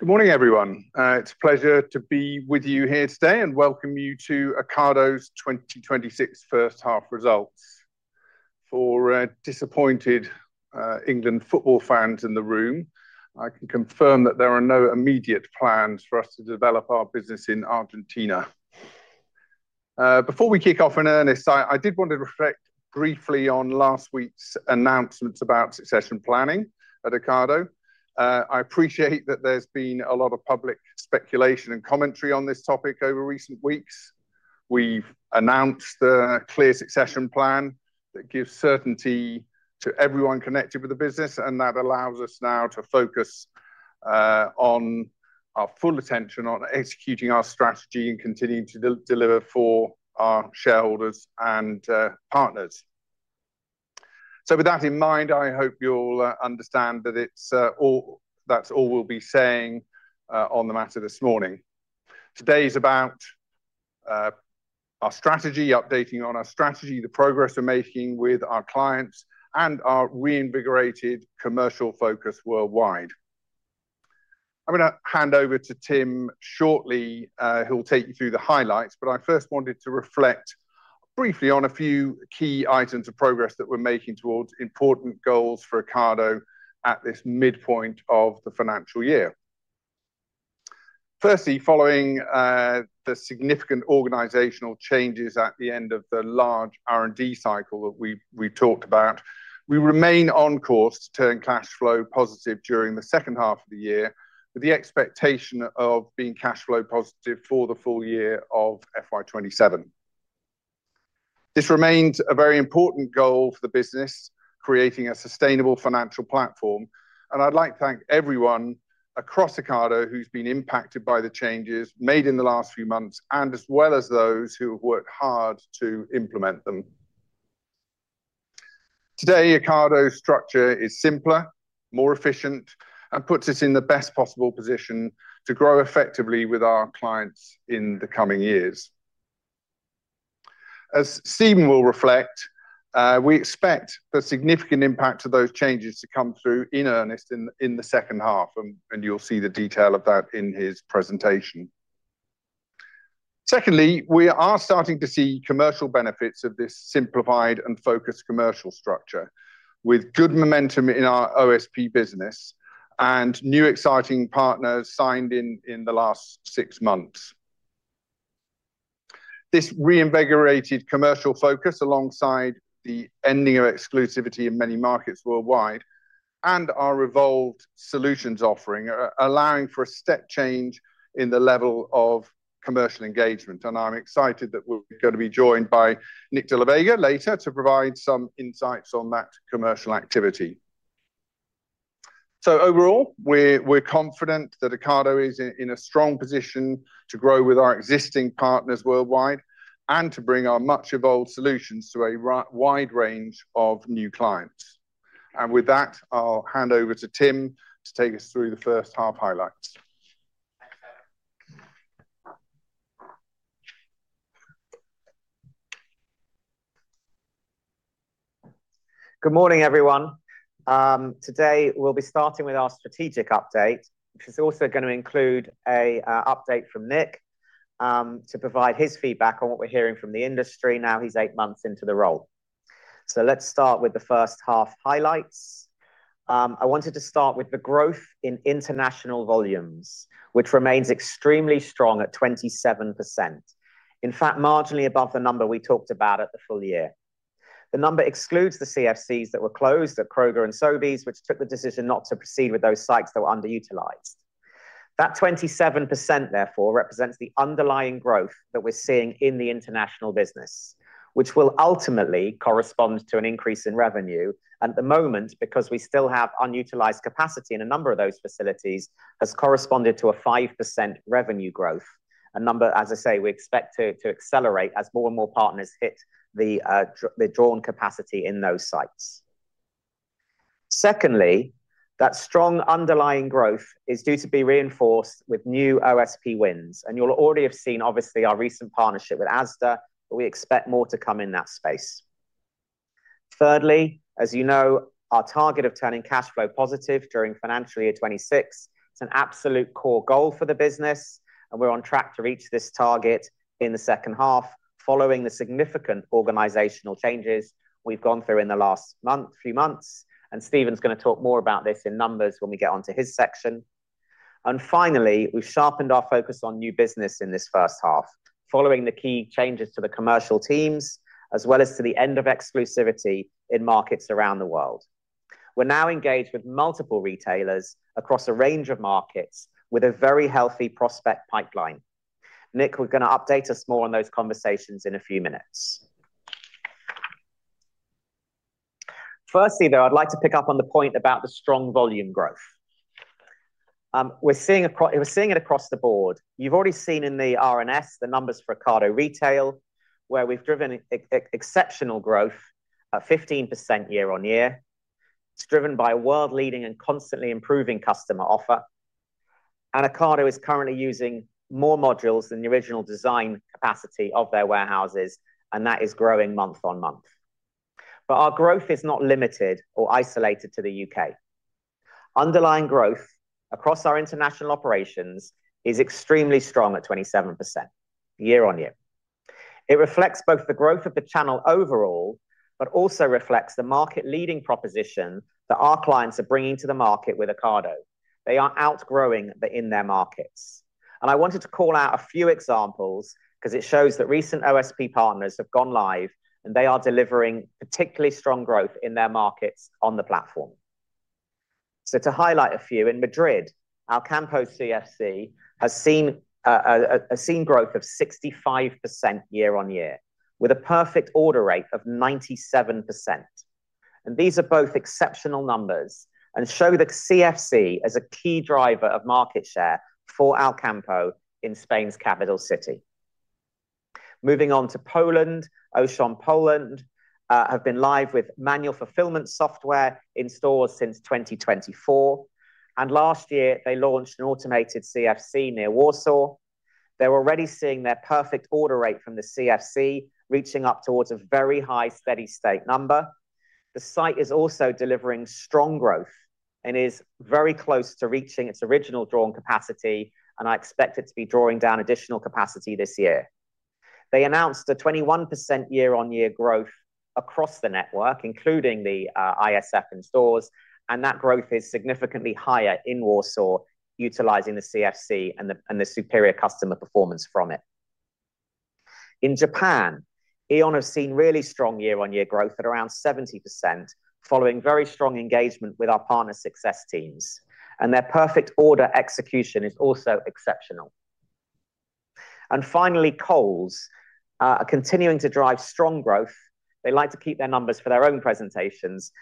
Good morning, everyone. It's a pleasure to be with you here today and welcome you to Ocado's 2026 first half results. For disappointed England football fans in the room, I can confirm that there are no immediate plans for us to develop our business in Argentina. Before we kick off in earnest, I did want to reflect briefly on last week's announcements about succession planning at Ocado. I appreciate that there's been a lot of public speculation and commentary on this topic over recent weeks. We've announced a clear succession plan that gives certainty to everyone connected with the business, and that allows us now to focus our full attention on executing our strategy and continuing to deliver for our shareholders and partners. With that in mind, I hope you'll understand that that's all we'll be saying on the matter this morning. Today is about our strategy, updating on our strategy, the progress we're making with our clients, and our reinvigorated commercial focus worldwide. I'm going to hand over to Tim shortly, who'll take you through the highlights, but I first wanted to reflect briefly on a few key items of progress that we're making towards important goals for Ocado at this midpoint of the financial year. Firstly, following the significant organizational changes at the end of the large R&D cycle that we've talked about, we remain on course to turn cash flow positive during the second half of the year, with the expectation of being cash flow positive for the full year of FY 2027. This remains a very important goal for the business, creating a sustainable financial platform, and I'd like to thank everyone across Ocado who's been impacted by the changes made in the last few months, as well as those who have worked hard to implement them. Today, Ocado's structure is simpler, more efficient, and puts us in the best possible position to grow effectively with our clients in the coming years. As Stephen will reflect, we expect the significant impact of those changes to come through in earnest in the second half, and you'll see the detail of that in his presentation. Secondly, we are starting to see commercial benefits of this simplified and focused commercial structure with good momentum in our OSP business and new exciting partners signed in the last six months. This reinvigorated commercial focus, alongside the ending of exclusivity in many markets worldwide and our evolved solutions offering are allowing for a step change in the level of commercial engagement, and I'm excited that we're going to be joined by Nick de la Vega later to provide some insights on that commercial activity. Overall, we're confident that Ocado is in a strong position to grow with our existing partners worldwide and to bring our much-evolved solutions to a wide range of new clients. With that, I'll hand over to Tim to take us through the first half highlights. Thanks, Tim. Good morning, everyone. Today we'll be starting with our strategic update, which is also going to include an update from Nick to provide his feedback on what we're hearing from the industry now he's eight months into the role. Let's start with the first half highlights. I wanted to start with the growth in international volumes, which remains extremely strong at 27%. In fact, marginally above the number we talked about at the full year. The number excludes the CFCs that were closed at Kroger and Sobeys, which took the decision not to proceed with those sites that were underutilized. That 27%, therefore, represents the underlying growth that we're seeing in the international business, which will ultimately correspond to an increase in revenue. At the moment, because we still have unutilized capacity in a number of those facilities, has corresponded to a 5% revenue growth. A number, as I say, we expect to accelerate as more and more partners hit the drawn capacity in those sites. Secondly, that strong underlying growth is due to be reinforced with new OSP wins, and you'll already have seen obviously our recent partnership with Asda, but we expect more to come in that space. Thirdly, as you know, our target of turning cash flow positive during financial year 2026, it's an absolute core goal for the business, and we're on track to reach this target in the second half following the significant organizational changes we've gone through in the last few months, and Stephen's going to talk more about this in numbers when we get onto his section. Finally, we've sharpened our focus on new business in this first half, following the key changes to the commercial teams as well as to the end of exclusivity in markets around the world. We're now engaged with multiple retailers across a range of markets with a very healthy prospect pipeline. Nick, we're going to update us more on those conversations in a few minutes. Firstly, though, I'd like to pick up on the point about the strong volume growth. We're seeing it across the board. You've already seen in the RNS the numbers for Ocado Retail, where we've driven exceptional growth at 15% year-on-year. It's driven by a world-leading and constantly improving customer offer. Ocado is currently using more modules than the original design capacity of their warehouses, and that is growing month on month. Our growth is not limited or isolated to the U.K. Underlying growth across our international operations is extremely strong at 27% year-on-year. It reflects both the growth of the channel overall, but also reflects the market-leading proposition that our clients are bringing to the market with Ocado. They are outgrowing in their markets. I wanted to call out a few examples because it shows that recent OSP partners have gone live, and they are delivering particularly strong growth in their markets on the platform. To highlight a few, in Madrid, Alcampo CFC has seen growth of 65% year-on-year with a perfect order rate of 97%. These are both exceptional numbers and show the CFC as a key driver of market share for Alcampo in Spain's capital city. Moving on to Poland. Auchan Poland have been live with manual fulfillment software in stores since 2024. Last year they launched an automated CFC near Warsaw. They're already seeing their perfect order rate from the CFC, reaching up towards a very high, steady state number. The site is also delivering strong growth and is very close to reaching its original drawing capacity. I expect it to be drawing down additional capacity this year. They announced a 21% year-on-year growth across the network, including the ISF in stores. That growth is significantly higher in Warsaw, utilizing the CFC and the superior customer performance from it. In Japan, Aeon has seen really strong year-on-year growth at around 70%, following very strong engagement with our partner success teams, and their perfect order execution is also exceptional. Finally, Coles are continuing to drive strong growth. They like to keep their numbers for their own presentations.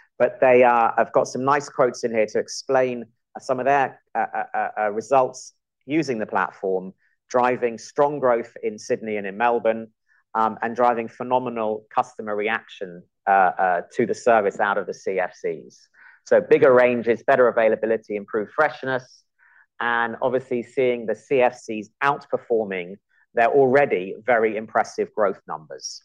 They have got some nice quotes in here to explain some of their results using the platform, driving strong growth in Sydney and in Melbourne, and driving phenomenal customer reaction to the service out of the CFCs. Bigger ranges, better availability, improved freshness, and obviously seeing the CFCs outperforming their already very impressive growth numbers.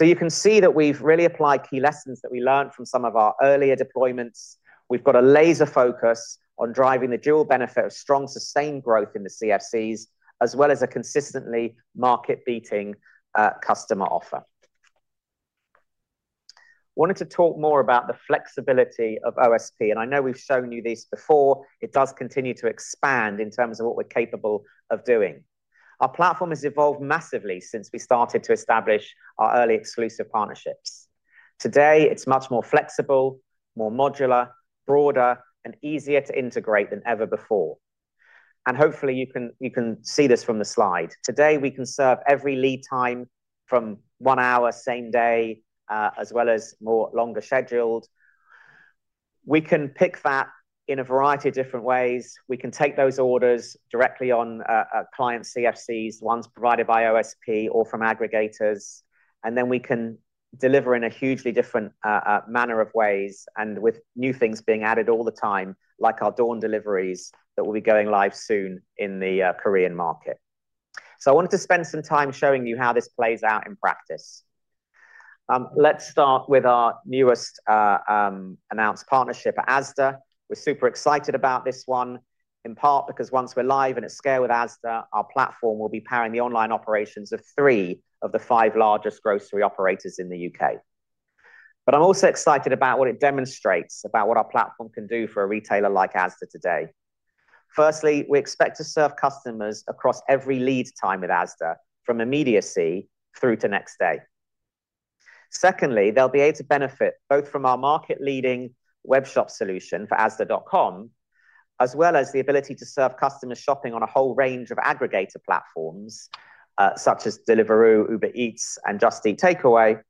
You can see that we've really applied key lessons that we learned from some of our earlier deployments. We've got a laser focus on driving the dual benefit of strong, sustained growth in the CFCs, as well as a consistently market-beating customer offer. Wanted to talk more about the flexibility of OSP. I know we've shown you this before. It does continue to expand in terms of what we're capable of doing. Our platform has evolved massively since we started to establish our early exclusive partnerships. Today, it's much more flexible, more modular, broader, and easier to integrate than ever before. Hopefully, you can see this from the slide. Today, we can serve every lead time from one hour, same day, as well as more longer scheduled. We can pick that in a variety of different ways. We can take those orders directly on client CFCs, ones provided by OSP or from aggregators. Then we can deliver in a hugely different manner of ways, with new things being added all the time, like our dawn deliveries that will be going live soon in the Korean market. I wanted to spend some time showing you how this plays out in practice. Let's start with our newest announced partnership at Asda. We're super excited about this one, in part because once we're live and at scale with Asda, our platform will be powering the online operations of three of the five largest grocery operators in the U.K. I'm also excited about what it demonstrates about what our platform can do for a retailer like Asda today. Firstly, we expect to serve customers across every lead time with Asda, from immediacy through to next day. Secondly, they'll be able to benefit both from our market-leading web shop solution for asda.com, as well as the ability to serve customers shopping on a whole range of aggregator platforms, such as Deliveroo, Uber Eats, and Just Eat Takeaway.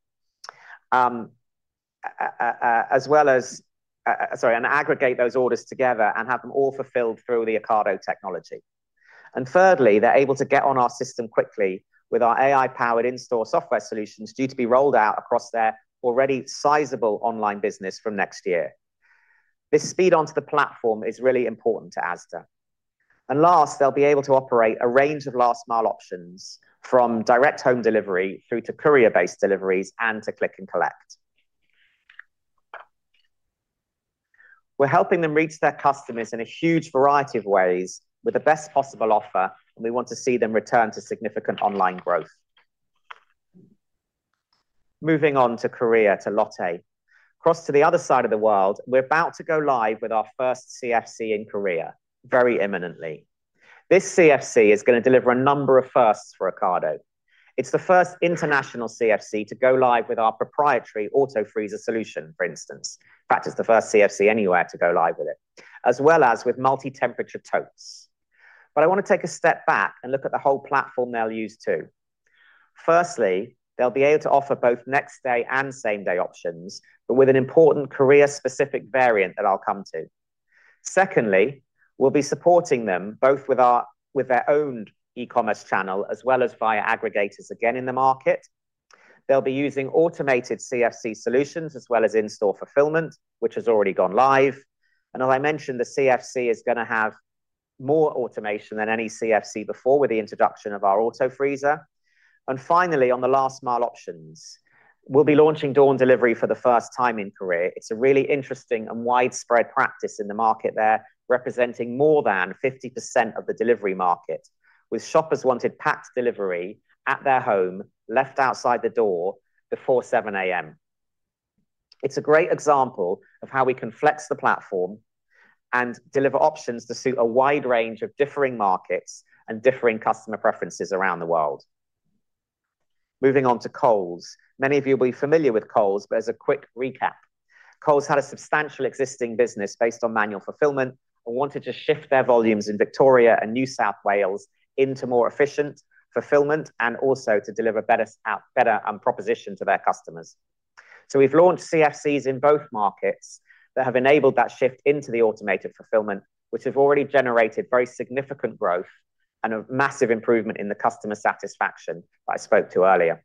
Aggregate those orders together and have them all fulfilled through the Ocado Technology. Thirdly, they're able to get on our system quickly with our AI-powered in-store software solutions due to be rolled out across their already sizable online business from next year. This speed onto the platform is really important to Asda. Last, they'll be able to operate a range of last mile options from direct home delivery through to courier-based deliveries and to click and collect. We're helping them reach their customers in a huge variety of ways with the best possible offer, and we want to see them return to significant online growth. Moving on to Korea, to Lotte. Across to the other side of the world, we're about to go live with our first CFC in Korea very imminently. This CFC is going to deliver a number of firsts for Ocado. It's the first international CFC to go live with our proprietary Auto Freezer solution, for instance. In fact, it's the first CFC anywhere to go live with it, as well as with multi-temperature totes. I want to take a step back and look at the whole platform they'll use, too. Firstly, they'll be able to offer both next day and same day options, but with an important Korea-specific variant that I'll come to. Secondly, we'll be supporting them both with their own e-commerce channel as well as via aggregators again in the market. They'll be using automated CFC solutions as well as in-store fulfillment, which has already gone live. As I mentioned, the CFC is going to have more automation than any CFC before with the introduction of our Auto Freezer. Finally, on the last-mile options, we'll be launching dawn delivery for the first time in Korea. It's a really interesting and widespread practice in the market there, representing more than 50% of the delivery market, with shoppers wanted packed delivery at their home, left outside the door, before 7:00 A.M. It's a great example of how we can flex the platform and deliver options to suit a wide range of differing markets and differing customer preferences around the world. Moving on to Coles. Many of you will be familiar with Coles, but as a quick recap, Coles had a substantial existing business based on manual fulfillment and wanted to shift their volumes in Victoria and New South Wales into more efficient fulfillment and also to deliver better proposition to their customers. We've launched CFCs in both markets that have enabled that shift into the automated fulfillment, which have already generated very significant growth and a massive improvement in the customer satisfaction that I spoke to earlier.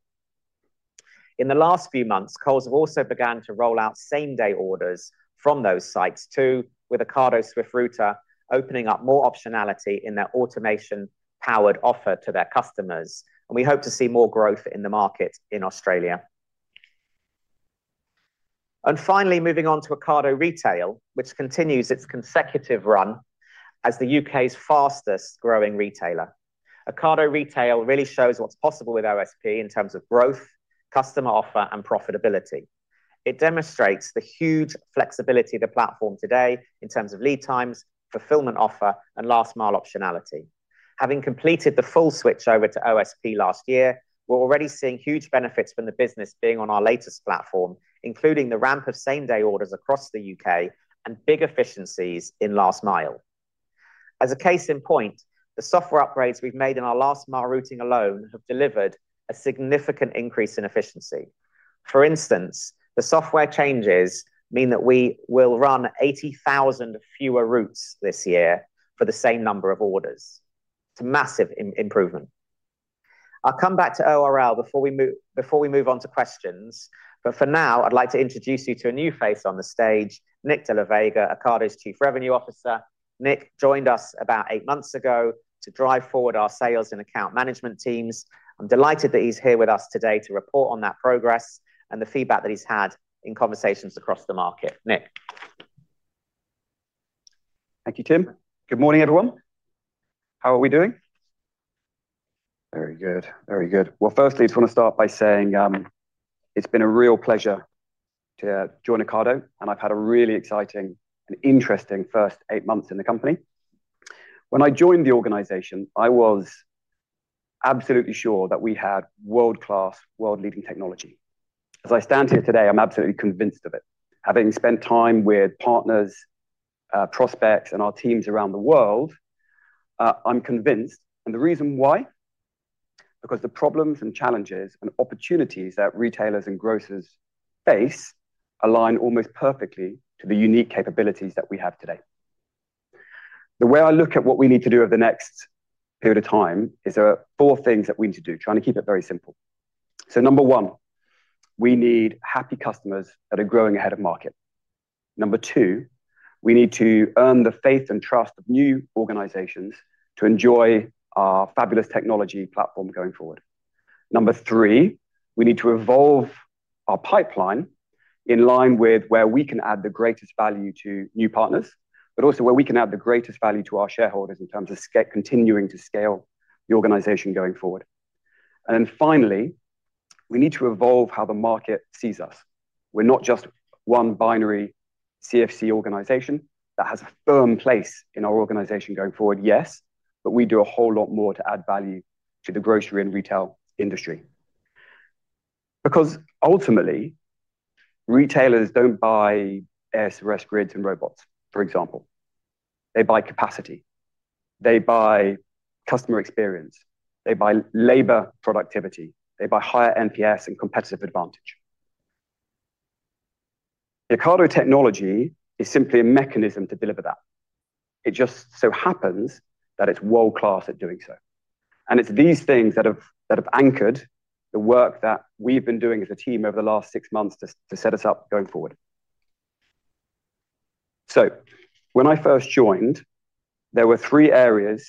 In the last few months, Coles have also began to roll out same-day orders from those sites too, with Ocado Swift Router opening up more optionality in their automation-powered offer to their customers, and we hope to see more growth in the market in Australia. Finally, moving on to Ocado Retail, which continues its consecutive run as the U.K.'s fastest growing retailer. Ocado Retail really shows what's possible with OSP in terms of growth, customer offer, and profitability. It demonstrates the huge flexibility of the platform today in terms of lead times, fulfillment offer, and last-mile optionality. Having completed the full switch over to OSP last year, we're already seeing huge benefits from the business being on our latest platform, including the ramp of same-day orders across the U.K. and big efficiencies in last mile. As a case in point, the software upgrades we've made in our last-mile routing alone have delivered a significant increase in efficiency. For instance, the software changes mean that we will run 80,000 fewer routes this year for the same number of orders. It's a massive improvement. I'll come back to ORL before we move on to questions, but for now I'd like to introduce you to a new face on the stage, Nick de la Vega, Ocado's Chief Revenue Officer. Nick joined us about eight months ago to drive forward our sales and account management teams. I'm delighted that he's here with us today to report on that progress and the feedback that he's had in conversations across the market. Nick. Thank you, Tim. Good morning, everyone. How are we doing? Very good. Well, firstly, I just want to start by saying, it's been a real pleasure to join Ocado, and I've had a really exciting and interesting first eight months in the company. When I joined the organization, I was absolutely sure that we had world-class, world-leading technology. As I stand here today, I'm absolutely convinced of it. Having spent time with partners, prospects, and our teams around the world, I'm convinced. The reason why, because the problems and challenges and opportunities that retailers and grocers face align almost perfectly to the unique capabilities that we have today. The way I look at what we need to do over the next period of time is there are four things that we need to do, trying to keep it very simple. Number one, we need happy customers that are growing ahead of market. Number two, we need to earn the faith and trust of new organizations to enjoy our fabulous technology platform going forward. Number three, we need to evolve our pipeline in line with where we can add the greatest value to new partners, but also where we can add the greatest value to our shareholders in terms of continuing to scale the organization going forward. Finally, we need to evolve how the market sees us. We're not just one binary CFC organization. That has a firm place in our organization going forward, yes, but we do a whole lot more to add value to the grocery and retail industry. Because ultimately, retailers don't buy AS/RS grids and robots, for example. They buy capacity. They buy customer experience. They buy labor productivity. They buy higher NPS and competitive advantage. The Ocado Technology is simply a mechanism to deliver that. It just so happens that it's world-class at doing so, and it's these things that have anchored the work that we've been doing as a team over the last six months to set us up going forward. When I first joined, there were three areas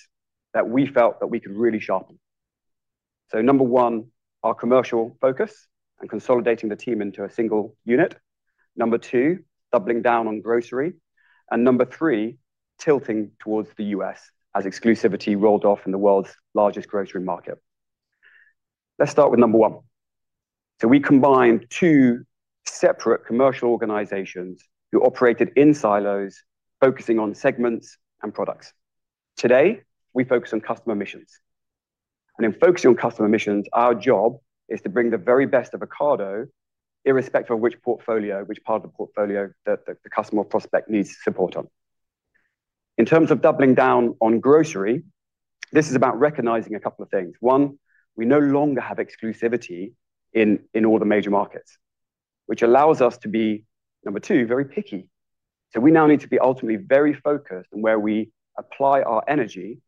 that we felt that we could really sharpen. Number one, our commercial focus and consolidating the team into a single unit. Number two, doubling down on grocery. Number three, tilting towards the U.S., as exclusivity rolled off in the world's largest grocery market. Let's start with number one. We combined two separate commercial organizations who operated in silos, focusing on segments and products. Today, we focus on customer missions. In focusing on customer missions, our job is to bring the very best of Ocado, irrespective of which portfolio, which part of the portfolio the customer or prospect needs support on. In terms of doubling down on grocery, this is about recognizing a couple of things. One, we no longer have exclusivity in all the major markets, which allows us to be, number two, very picky. We now need to be ultimately very focused on where we apply our energy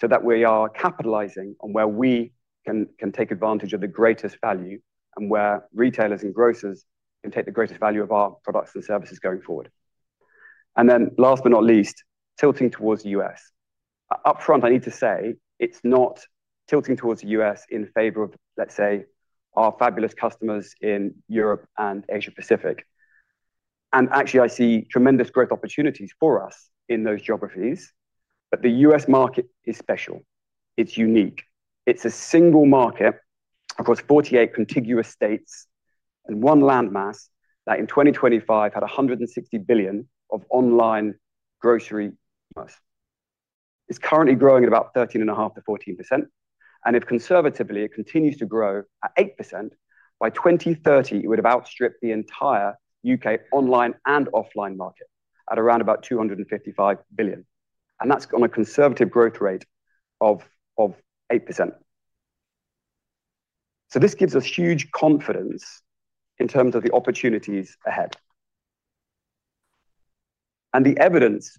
so that we are capitalizing on where we can take advantage of the greatest value, and where retailers and grocers can take the greatest value of our products and services going forward. Last but not least, tilting towards the U.S. Up front, I need to say, it's not tilting towards the U.S. in favor of, let's say, our fabulous customers in Europe and Asia Pacific. Actually, I see tremendous growth opportunities for us in those geographies. The U.S. market is special. It's unique. It's a single market across 48 contiguous states and one landmass that in 2025 had 160 billion of online grocery plus. It's currently growing at about 13.5%-14%, and if conservatively it continues to grow at 8%, by 2030 it would have outstripped the entire U.K. online and offline market at around about 255 billion. That's on a conservative growth rate of 8%. This gives us huge confidence in terms of the opportunities ahead. The evidence,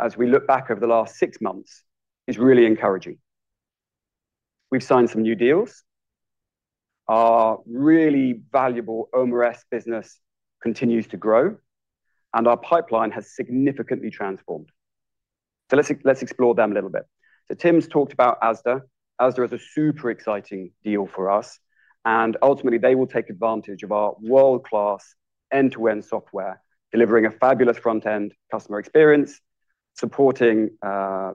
as we look back over the last six months, is really encouraging. We've signed some new deals. Our really valuable OMRS business continues to grow. Our pipeline has significantly transformed. Let's explore them a little bit. Tim's talked about Asda. Asda is a super exciting deal for us. Ultimately they will take advantage of our world-class end-to-end software, delivering a fabulous front end customer experience, supporting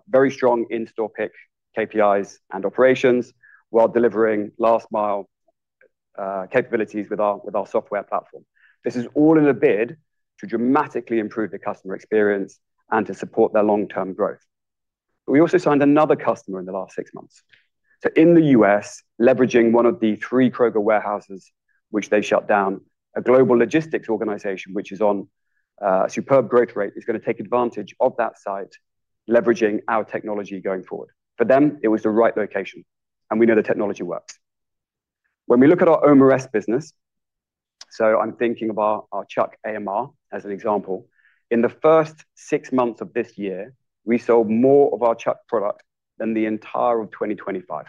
very strong in-store pick, KPIs and operations, while delivering last mile capabilities with our software platform. This is all in a bid to dramatically improve the customer experience and to support their long-term growth. We also signed another customer in the last six months. In the U.S., leveraging one of the three Kroger warehouses which they shut down, a global logistics organization, which is on a superb growth rate, is going to take advantage of that site, leveraging our technology going forward. For them, it was the right location. We know the technology works. When we look at our OMRS business, so I'm thinking about our Chuck AMR as an example. In the first six months of this year, we sold more of our Chuck product than the entire of 2025.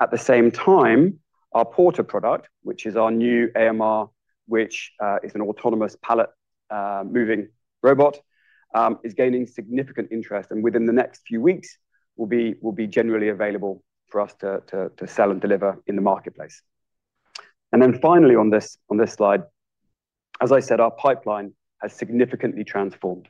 At the same time, our Porter product, which is our new AMR, which is an autonomous pallet moving robot, is gaining significant interest, and within the next few weeks, will be generally available for us to sell and deliver in the marketplace. Finally on this slide, as I said, our pipeline has significantly transformed.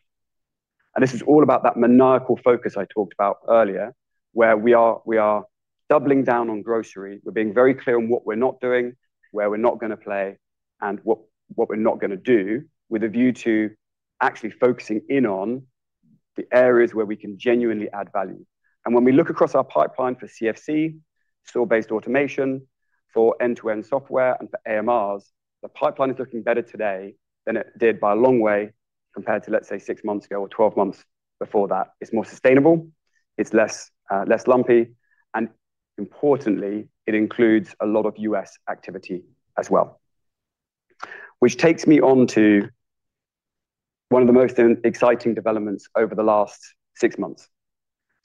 This is all about that maniacal focus I talked about earlier, where we are doubling down on grocery. We're being very clear on what we're not doing, where we're not going to play, and what we're not going to do, with a view to actually focusing in on the areas where we can genuinely add value. When we look across our pipeline for CFC, store-based automation, for end-to-end software and for AMRs, the pipeline is looking better today than it did by a long way compared to, let's say, six months ago or 12 months before that. It's more sustainable, it's less lumpy, and importantly, it includes a lot of U.S. activity as well. Which takes me onto one of the most exciting developments over the last six months.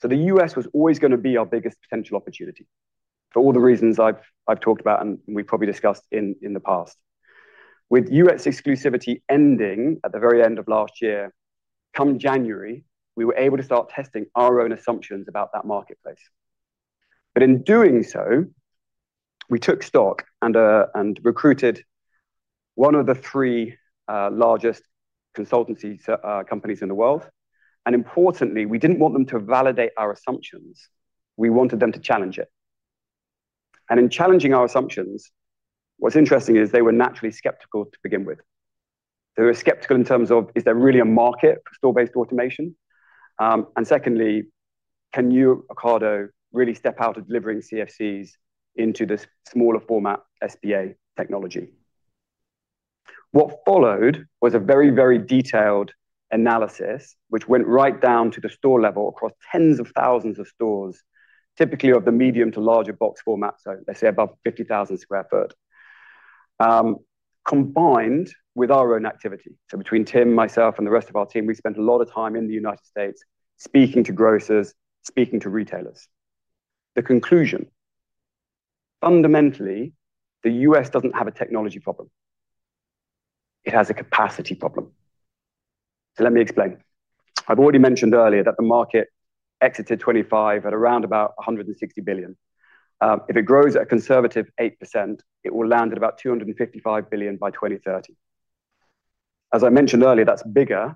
The U.S. was always going to be our biggest potential opportunity for all the reasons I've talked about and we've probably discussed in the past. With U.S. exclusivity ending at the very end of last year, come January, we were able to start testing our own assumptions about that marketplace. In doing so, we took stock and recruited one of the three largest consultancy companies in the world, and importantly, we didn't want them to validate our assumptions. We wanted them to challenge it. In challenging our assumptions, what's interesting is they were naturally skeptical to begin with. They were skeptical in terms of, is there really a market for store-based automation? Secondly, can you, Ocado, really step out of delivering CFCs into this smaller format SBA technology? What followed was a very detailed analysis which went right down to the store level across tens of thousands of stores, typically of the medium to larger box format, so let's say above 50,000 square foot, combined with our own activity. Between Tim, myself and the rest of our team, we spent a lot of time in the United States speaking to grocers, speaking to retailers. The conclusion, fundamentally, the U.S. doesn't have a technology problem. It has capacity problem. Let me explain. I've already mentioned earlier that the market exited 2025 at around about 160 billion. If it grows at a conservative 8%, it will land at about 255 billion by 2030. As I mentioned earlier, that's bigger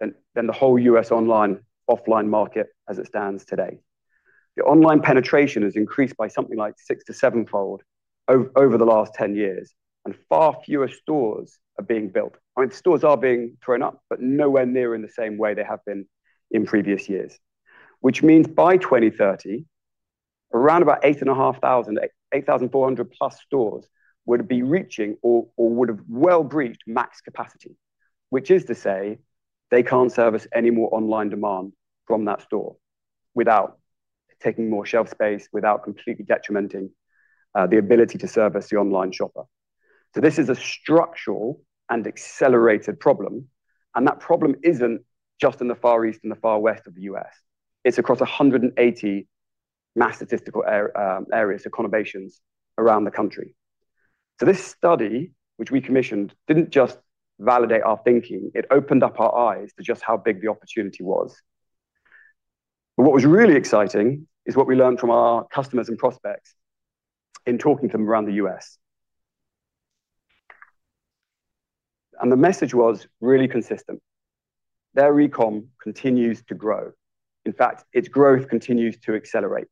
than the whole U.S. online, offline market as it stands today. The online penetration has increased by something like six to sevenfold over the last 10 years, and far fewer stores are being built. I mean, stores are being thrown up, but nowhere near in the same way they have been in previous years. Which means by 2030, around about 8,400+ stores would be reaching or would have well breached max capacity. Which is to say, they can't service any more online demand from that store without taking more shelf space without completely detrimenting the ability to service the online shopper. This is a structural and accelerated problem, and that problem isn't just in the far east and the far west of the U.S. It's across 180 mass statistical areas, so conurbations around the country. This study, which we commissioned, didn't just validate our thinking, it opened up our eyes to just how big the opportunity was. What was really exciting is what we learned from our customers and prospects in talking to them around the U.S. The message was really consistent. Their eCom continues to grow. Its growth continues to accelerate.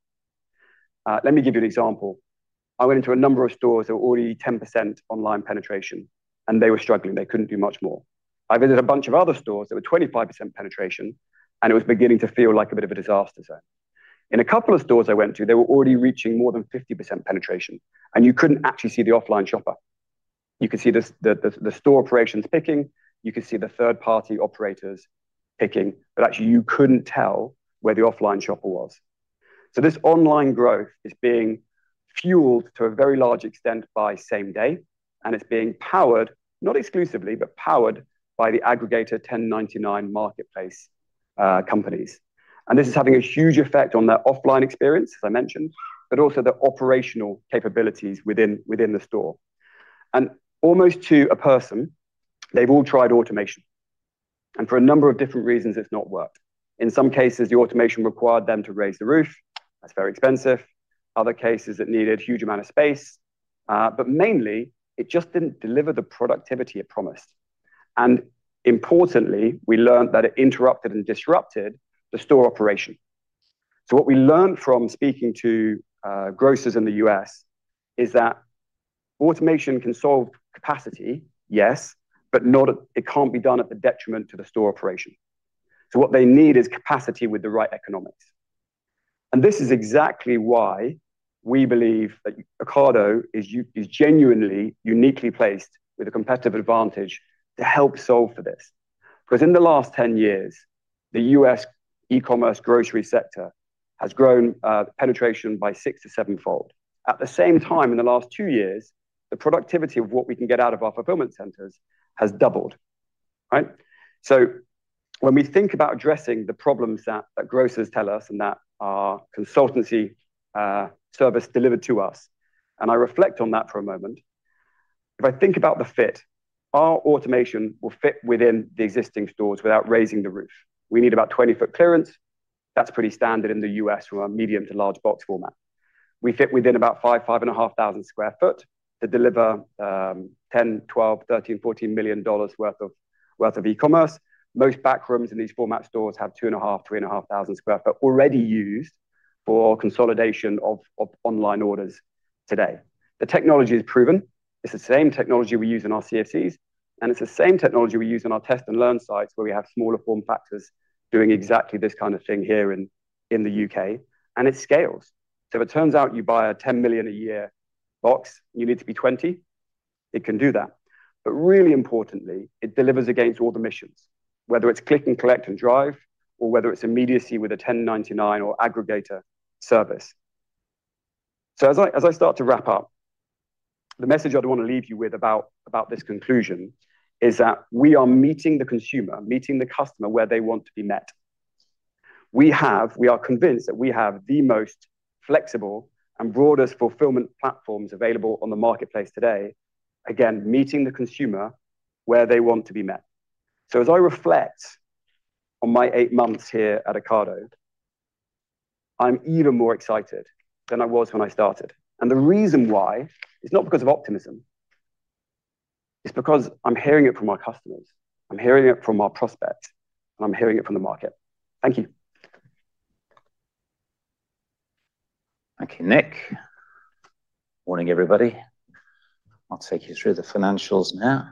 Let me give you an example. I went into a number of stores that were already 10% online penetration, and they were struggling. They couldn't do much more. I visited a bunch of other stores that were 25% penetration, and it was beginning to feel like a bit of a disaster zone. A couple of stores I went to, they were already reaching more than 50% penetration, and you couldn't actually see the offline shopper. You could see the store operations picking, you could see the third-party operators picking, but actually you couldn't tell where the offline shopper was. This online growth is being fueled to a very large extent by same day, and it's being powered, not exclusively, but powered by the aggregator 1099 marketplace companies. This is having a huge effect on their offline experience, as I mentioned, but also the operational capabilities within the store. Almost to a person, they've all tried automation. For a number of different reasons, it's not worked. In some cases, the automation required them to raise the roof. That's very expensive. Other cases, it needed a huge amount of space. Mainly, it just didn't deliver the productivity it promised. Importantly, we learned that it interrupted and disrupted the store operation. What we learned from speaking to grocers in the U.S. is that automation can solve capacity, yes, but it can't be done at the detriment to the store operation. What they need is capacity with the right economics. This is exactly why we believe that Ocado is genuinely, uniquely placed with a competitive advantage to help solve for this. In the last 10 years, the U.S. e-commerce grocery sector has grown penetration by six to sevenfold. At the same time, in the last two years, the productivity of what we can get out of our fulfillment centers has doubled. Right. When we think about addressing the problems that grocers tell us and that our consultancy service delivered to us, I reflect on that for a moment, if I think about the fit, our automation will fit within the existing stores without raising the roof. We need about 20-foot clearance. That's pretty standard in the U.S. from a medium to large box format. We fit within about 5,500 square foot to deliver $10, $12, $13, $14 million worth of e-commerce. Most back rooms in these format stores have 2,500, 3,500 square foot already used for consolidation of online orders today. The technology is proven. It's the same technology we use in our CFCs, and it's the same technology we use in our test and learn sites where we have smaller form factors doing exactly this kind of thing here in the U.K. It scales. If it turns out you buy a 10 million a year box and you need to be 20 million, it can do that. Really importantly, it delivers against all the missions, whether it's click and collect and drive, or whether it's immediacy with a 1099 or aggregator service. As I start to wrap up, the message I'd want to leave you with about this conclusion is that we are meeting the consumer, meeting the customer where they want to be met. We are convinced that we have the most flexible and broadest fulfillment platforms available on the marketplace today, again, meeting the consumer where they want to be met. As I reflect on my eight months here at Ocado, I'm even more excited than I was when I started. The reason why is not because of optimism. It's because I'm hearing it from our customers, I'm hearing it from our prospects, and I'm hearing it from the market. Thank you. Thank you, Nick. Morning, everybody. I'll take you through the financials now.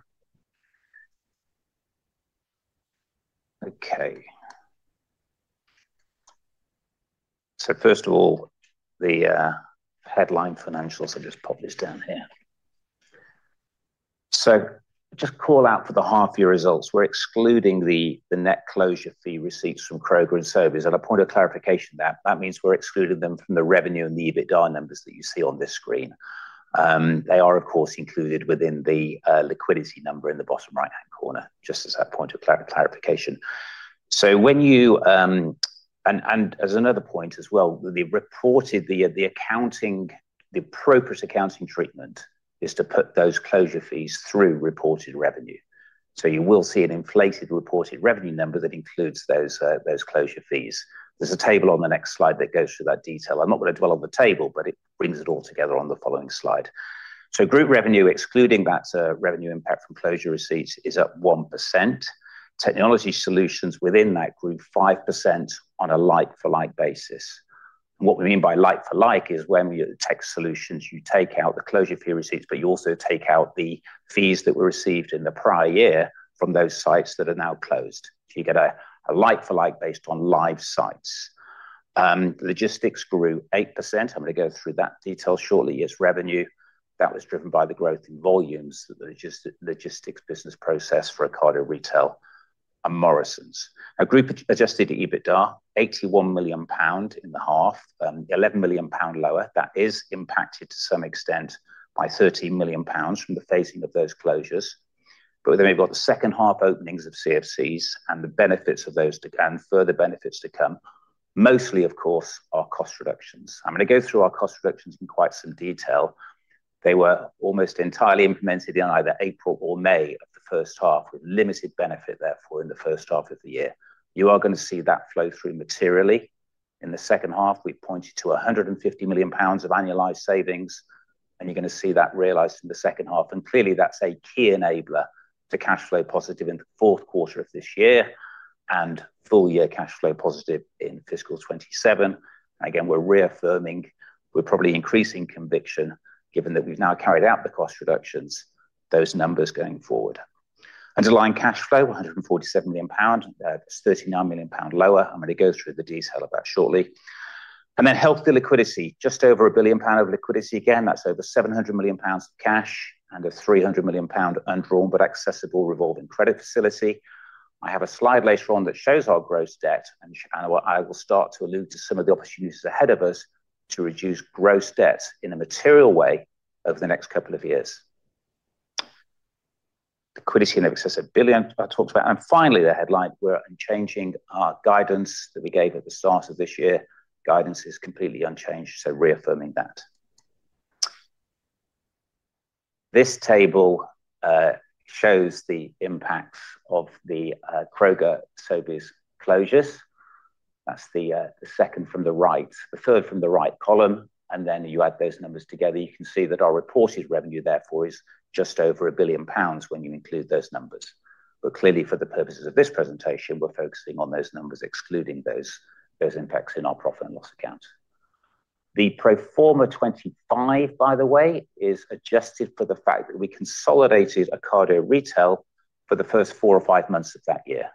First of all, the headline financials, I'll just pop this down here. Just call out for the half-year results, we're excluding the net closure fee receipts from Kroger and Sobeys. A point of clarification, that means we're excluding them from the revenue and the EBITDA numbers that you see on this screen. They are, of course, included within the liquidity number in the bottom right-hand corner, just as a point of clarification. As another point as well, the appropriate accounting treatment is to put those closure fees through reported revenue. You will see an inflated reported revenue number that includes those closure fees. There's a table on the next slide that goes through that detail. I'm not going to dwell on the table, it brings it all together on the following slide. Group revenue, excluding that revenue impact from closure receipts, is up 1%. Technology Solutions within that group, 5% on a like-for-like basis. What we mean by like-for-like is when the tech solutions, you take out the closure fee receipts, but you also take out the fees that were received in the prior year from those sites that are now closed. You get a like-for-like based on live sites. Logistics grew 8%. I'm going to go through that detail shortly. It's revenue. That was driven by the growth in volumes through the logistics business process for Ocado Retail. Morrisons. Our group Adjusted EBITDA, 81 million pound in the half, 11 million pound lower. That is impacted to some extent by 13 million pounds from the phasing of those closures. We've got the second half openings of CFCs and the benefits of those, and further benefits to come, mostly of course are cost reductions. I'm going to go through our cost reductions in quite some detail. They were almost entirely implemented in either April or May of the first half, with limited benefit therefore in the first half of the year. You are going to see that flow through materially. In the second half, we pointed to 150 million pounds of annualized savings, and you're going to see that realized in the second half. Clearly, that's a key enabler to cash flow positive in the fourth quarter of this year, and full year cash flow positive in fiscal 2027. Again, we're reaffirming, we're probably increasing conviction given that we've now carried out the cost reductions, those numbers going forward. Underlying cash flow, 147 million pound. That's 39 million pound lower. I'm going to go through the detail of that shortly. Healthy liquidity. Just over 1 billion pound of liquidity. Again, that's over 700 million pounds of cash and a 300 million pound undrawn but accessible revolving credit facility. I have a slide later on that shows our gross debt, and I will start to allude to some of the opportunities ahead of us to reduce gross debt in a material way over the next couple of years. Liquidity in excess of billion I talked about. Finally, the headline. We're unchanging our guidance that we gave at the start of this year. Guidance is completely unchanged, so reaffirming that. This table shows the impacts of the Kroger, Sobeys closures. That's the third from the right column, you add those numbers together. You can see that our reported revenue, therefore, is just over 1 billion pounds when you include those numbers. Clearly, for the purposes of this presentation, we're focusing on those numbers, excluding those impacts in our profit and loss account. The pro forma 2025, by the way, is adjusted for the fact that we consolidated Ocado Retail for the first four or five months of that year.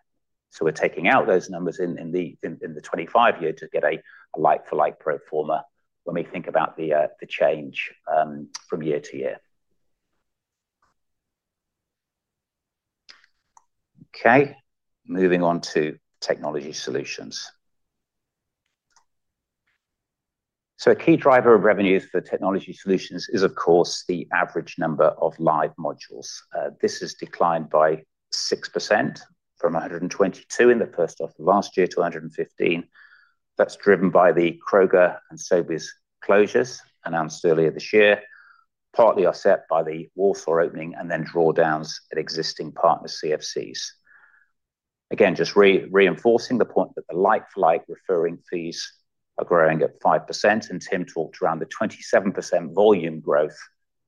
We're taking out those numbers in the 2025 year to get a like-for-like pro forma when we think about the change from year to year. Okay, moving on to Technology Solutions. A key driver of revenues for Technology Solutions is, of course, the average number of live modules. This has declined by 6% from 122 in the first half of last year to 115. That's driven by the Kroger and Sobeys closures announced earlier this year, partly offset by the Walmart opening and then drawdowns at existing partner CFCs. Again, just reinforcing the point that the like-for-like referring fees are growing at 5%, and Tim talked around the 27% volume growth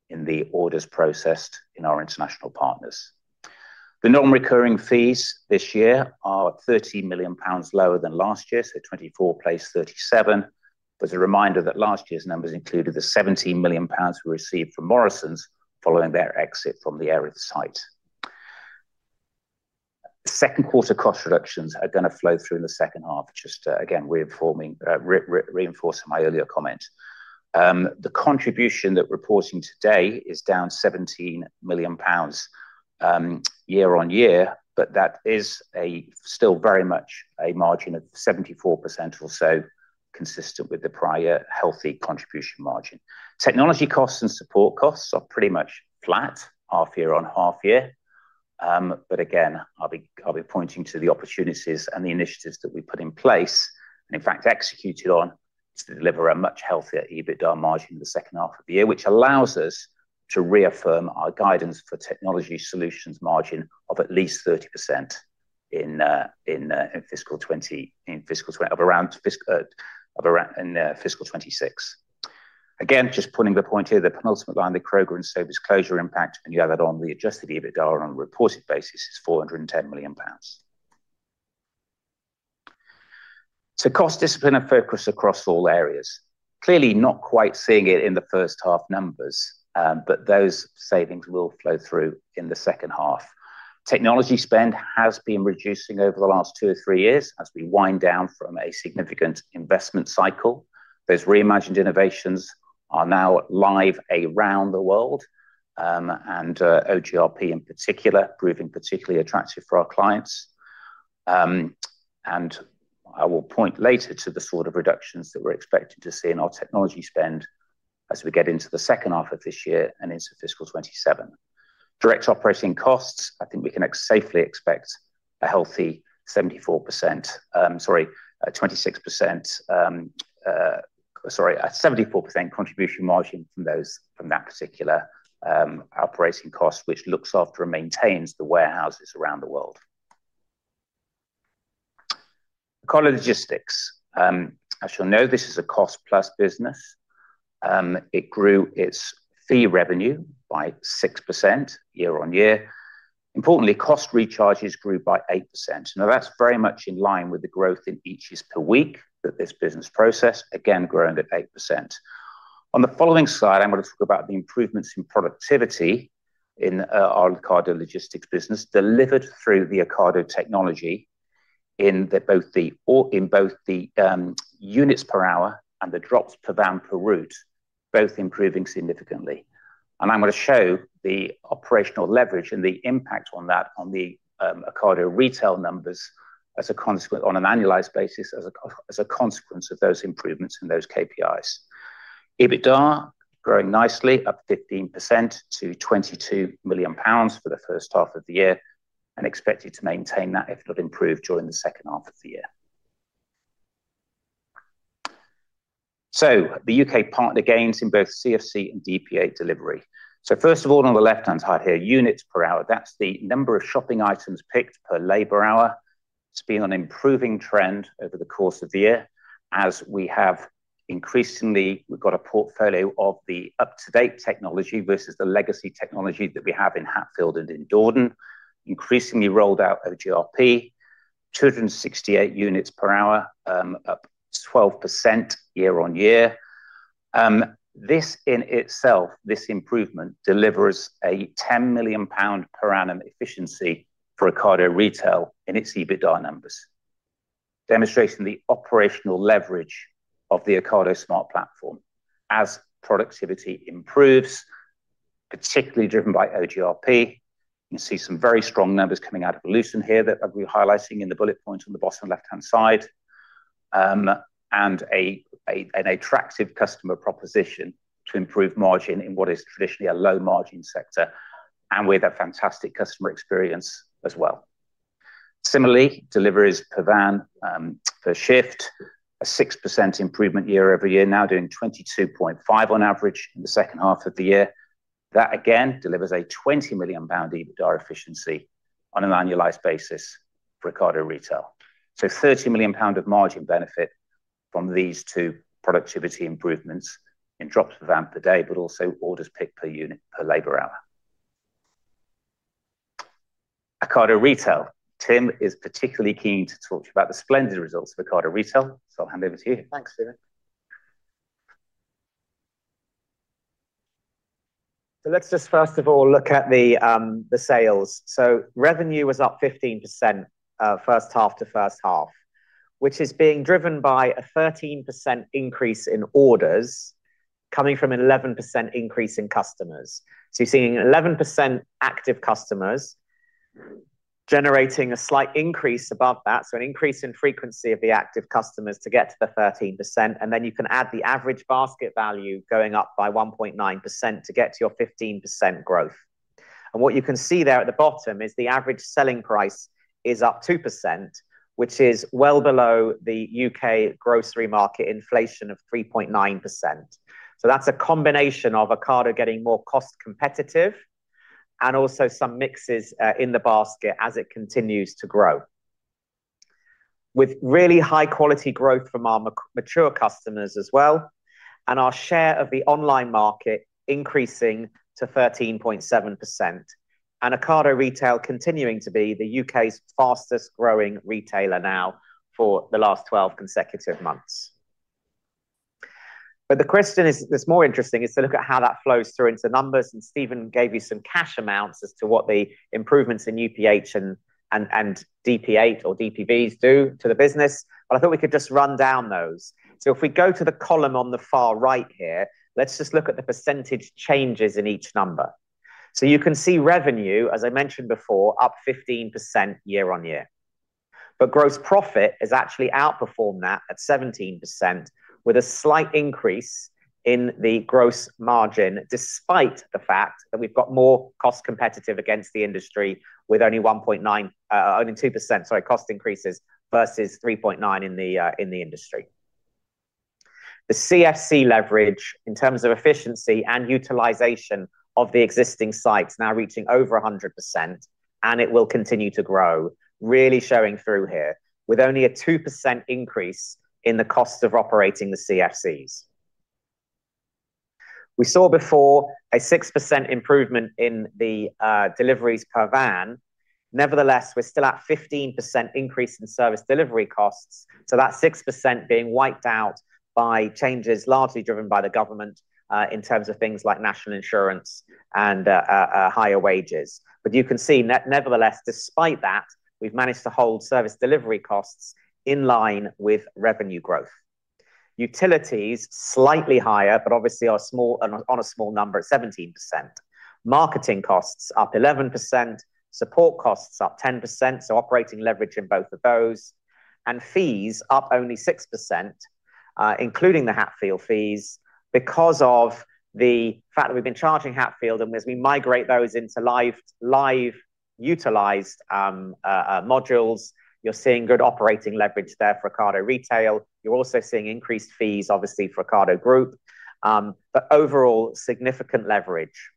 in the orders processed in our international partners. The non-recurring fees this year are 30 million pounds lower than last year, so 24 place 37, with a reminder that last year's numbers included the 17 million pounds we received from Morrisons following their exit from the Erith site. Second quarter cost reductions are going to flow through in the second half. Just again reinforcing my earlier comment. The contribution that we're reporting today is down 17 million pounds year-on-year, but that is still very much a margin of 74% or so consistent with the prior healthy contribution margin. Technology costs and support costs are pretty much flat half year on half year. Again, I'll be pointing to the opportunities and the initiatives that we put in place, and in fact executed on, to deliver a much healthier EBITDA margin in the second half of the year, which allows us to reaffirm our guidance for Technology Solutions margin of at least 30% in fiscal 2026. Again, just pulling the point here, the penultimate line, the Kroger and Sobeys closure impact, when you add it on the Adjusted EBITDA on a reported basis, is 410 million pounds. Cost discipline and focus across all areas. Clearly not quite seeing it in the first half numbers, Those savings will flow through in the second half. Technology spend has been reducing over the last two or three years as we wind down from a significant investment cycle. Those reimagined innovations are now live around the world, OGRP in particular proving particularly attractive for our clients. I will point later to the sort of reductions that we're expecting to see in our technology spend as we get into the second half of this year and into fiscal 2027. Direct operating costs, I think we can safely expect a healthy 74%, 26%, a 74% contribution margin from that particular operating cost, which looks after and maintains the warehouses around the world. Ocado Logistics. As you'll know, this is a cost-plus business. It grew its fee revenue by 6% year-on-year. Importantly, cost recharges grew by 8%. That's very much in line with the growth in each is per week that this business processed, again growing at 8%. On the following slide, I'm going to talk about the improvements in productivity in our Ocado Logistics business delivered through the Ocado Technology. In both the units per hour and the drops per van per route, both improving significantly. I'm going to show the operational leverage and the impact on that on the Ocado Retail numbers on an annualized basis as a consequence of those improvements in those KPIs. EBITDA growing nicely, up 15% to 22 million pounds for the first half of the year and expected to maintain that, if not improve, during the second half of the year. The U.K. partner gains in both CFC and DPV delivery. First of all, on the left-hand side here, units per hour, that's the number of shopping items picked per labor hour. It's been on improving trend over the course of the year, as we have increasingly got a portfolio of the up-to-date technology versus the legacy technology that we have in Hatfield and in Dordon, increasingly rolled out OGRP, 268 units per hour, up 12% year-on-year. This in itself, this improvement, delivers a 10 million pound per annum efficiency for Ocado Retail in its EBITDA numbers, demonstrating the operational leverage of the Ocado Smart Platform as productivity improves, particularly driven by OGRP. You can see some very strong numbers coming out of Luton here that I'll be highlighting in the bullet point on the bottom left-hand side. An attractive customer proposition to improve margin in what is traditionally a low margin sector, With a fantastic customer experience as well. Similarly, deliveries per van per shift, a 6% improvement year-over-year, now doing 22.5 on average in the second half of the year. That, again, delivers a 20 million pound EBITDA efficiency on an annualized basis for Ocado Retail. A 30 million pound of margin benefit from these two productivity improvements in drops per van per day, but also orders picked per unit per labor hour. Ocado Retail. Tim is particularly keen to talk to you about the splendid results for Ocado Retail, I'll hand over to you. Thanks, Stephen. Let's just first of all look at the sales. Revenue was up 15% first half to first half, which is being driven by a 13% increase in orders coming from an 11% increase in customers. You're seeing 11% active customers generating a slight increase above that, an increase in frequency of the active customers to get to the 13%, and then you can add the average basket value going up by 1.9% to get to your 15% growth. What you can see there at the bottom is the average selling price is up 2%, which is well below the U.K. grocery market inflation of 3.9%. That's a combination of Ocado getting more cost competitive and also some mixes in the basket as it continues to grow. With really high quality growth from our mature customers as well and our share of the online market increasing to 13.7%, and Ocado Retail continuing to be the U.K.'s fastest growing retailer now for the last 12 consecutive months. The question is, that's more interesting, is to look at how that flows through into numbers, and Stephen gave you some cash amounts as to what the improvements in UPH and DP8 or DPVs do to the business. I thought we could just run down those. If we go to the column on the far right here, let's just look at the percentage changes in each number. You can see revenue, as I mentioned before, up 15% year-on-year. Gross profit has actually outperformed that at 17% with a slight increase in the gross margin, despite the fact that we've got more cost competitive against the industry with only 2% cost increases versus 3.9% in the industry. The CFC leverage in terms of efficiency and utilization of the existing sites now reaching over 100%, and it will continue to grow, really showing through here, with only a 2% increase in the cost of operating the CFCs. We saw before a 6% improvement in the deliveries per van. Nevertheless, we're still at 15% increase in service delivery costs. That 6% being wiped out by changes largely driven by the government, in terms of things like national insurance and higher wages. You can see, nevertheless, despite that, we've managed to hold service delivery costs in line with revenue growth. Utilities slightly higher on a small number at 17%. Marketing costs up 11%, support costs up 10%. Operating leverage in both of those. Fees up only 6%, including the Hatfield fees because of the fact that we've been charging Hatfield. As we migrate those into live utilized modules, you're seeing good operating leverage there for Ocado Retail. You're also seeing increased fees obviously for Ocado Group. Overall, significant leverage.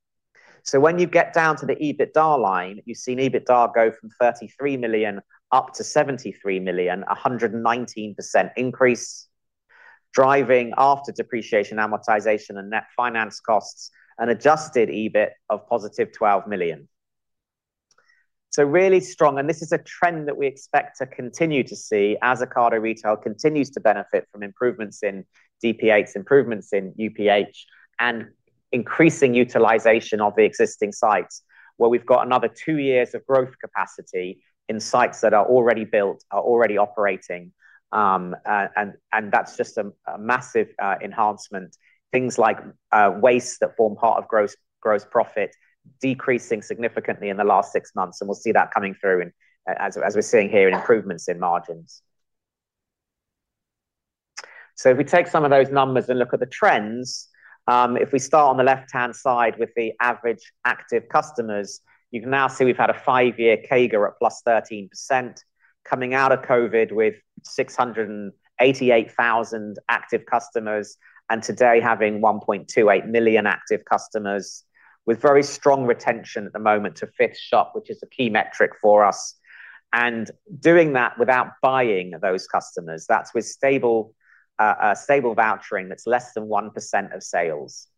When you get down to the EBITDA line, you've seen EBITDA go from 33 million up to 73 million, 119% increase, driving after depreciation, amortization, and net finance costs, an Adjusted EBT of positive 12 million. Really strong. This is a trend that we expect to continue to see as Ocado Retail continues to benefit from improvements in DP8, improvements in UPH, increasing utilization of the existing sites, where we've got another two years of growth capacity in sites that are already built, are already operating. That's just a massive enhancement. Things like waste that form part of gross profit decreasing significantly in the last six months. We'll see that coming through as we're seeing here in improvements in margins. If we take some of those numbers and look at the trends, if we start on the left-hand side with the average active customers, you can now see we've had a five-year CAGR at +13%, coming out of COVID with 688,000 active customers. Today having 1.28 million active customers with very strong retention at the moment to fifth shop, which is a key metric for us. Doing that without buying those customers. That's with stable vouchering that's less than 1% of sales.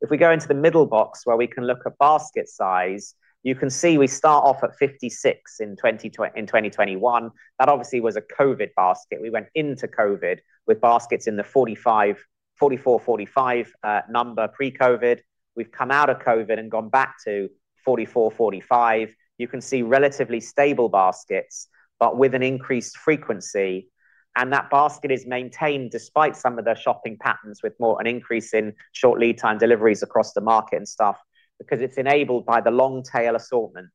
If we go into the middle box where we can look at basket size, you can see we start off at 56 in 2021. That obviously was a COVID basket. We went into COVID with baskets in the 44, 45 number pre-COVID. We've come out of COVID, gone back to 44, 45. You can see relatively stable baskets with an increased frequency. That basket is maintained despite some of their shopping patterns, with more an increase in short lead time deliveries across the market and stuff, because it's enabled by the long tail assortment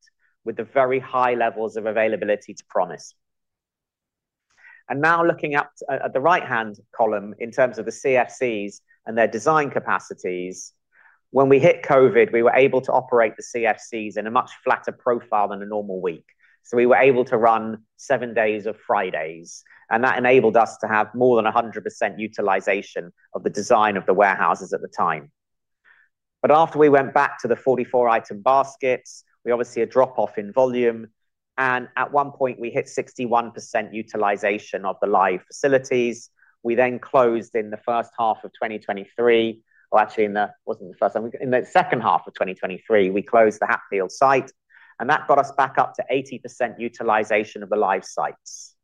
with the very high levels of availability to promise. Now looking up at the right-hand column in terms of the CFCs and their design capacities, when we hit COVID, we were able to operate the CFCs in a much flatter profile than a normal week. We were able to run seven days of Fridays. That enabled us to have more than 100% utilization of the design of the warehouses at the time. After we went back to the 44 item baskets, we obviously had drop off in volume. At one point we hit 61% utilization of the live facilities. We closed in the first half of 2023. Actually, it wasn't the first time, in the second half of 2023, we closed the Hatfield site, and that got us back up to 80% utilization of the live sites.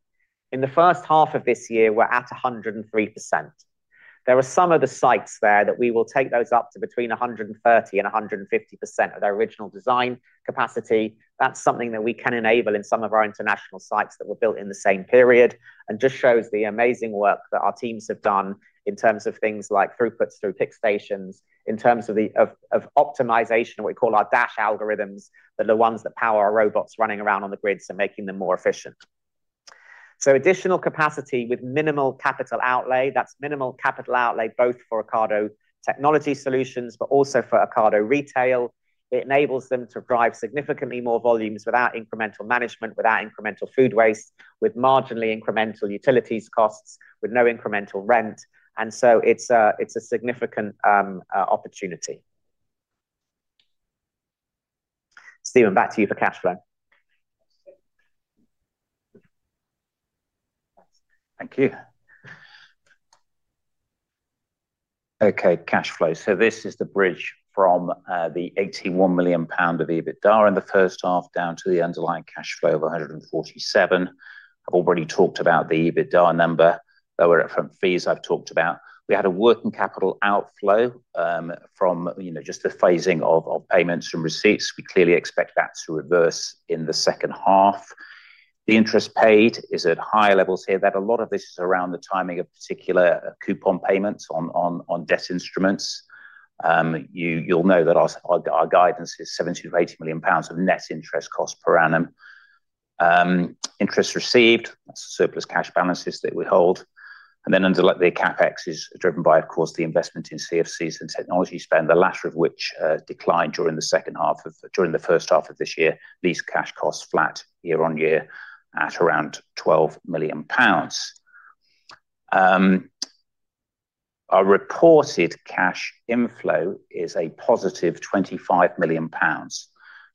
In the first half of this year, we're at 103%. There are some of the sites there that we will take those up to between 130%-150% of their original design capacity. That's something that we can enable in some of our international sites that were built in the same period, and just shows the amazing work that our teams have done in terms of things like throughputs through pick stations, in terms of optimization, what we call our dash algorithms, they're the ones that power our robots running around on the grids and making them more efficient. Additional capacity with minimal capital outlay, that's minimal capital outlay, both for Ocado Technology Solutions, but also for Ocado Retail. It enables them to drive significantly more volumes without incremental management, without incremental food waste, with marginally incremental utilities costs, with no incremental rent. It's a significant opportunity. Stephen, back to you for cash flow. Thank you. Okay, cash flow. This is the bridge from the 81 million pound of EBITDA in the first half, down to the underlying cash flow of 147 million. I've already talked about the EBITDA number, lower upfront fees I've talked about. We had a working capital outflow, from just the phasing of payments and receipts. We clearly expect that to reverse in the second half. The interest paid is at higher levels here, that a lot of this is around the timing of particular coupon payments on debt instruments. You'll know that our guidance is 70 million-80 million pounds of net interest costs per annum. Interest received, that's surplus cash balances that we hold. Underlying CapEx is driven by, of course, the investment in CFCs and technology spend, the latter of which declined during the first half of this year. Lease cash costs flat year-on-year at around 12 million pounds. Our reported cash inflow is a positive 25 million pounds.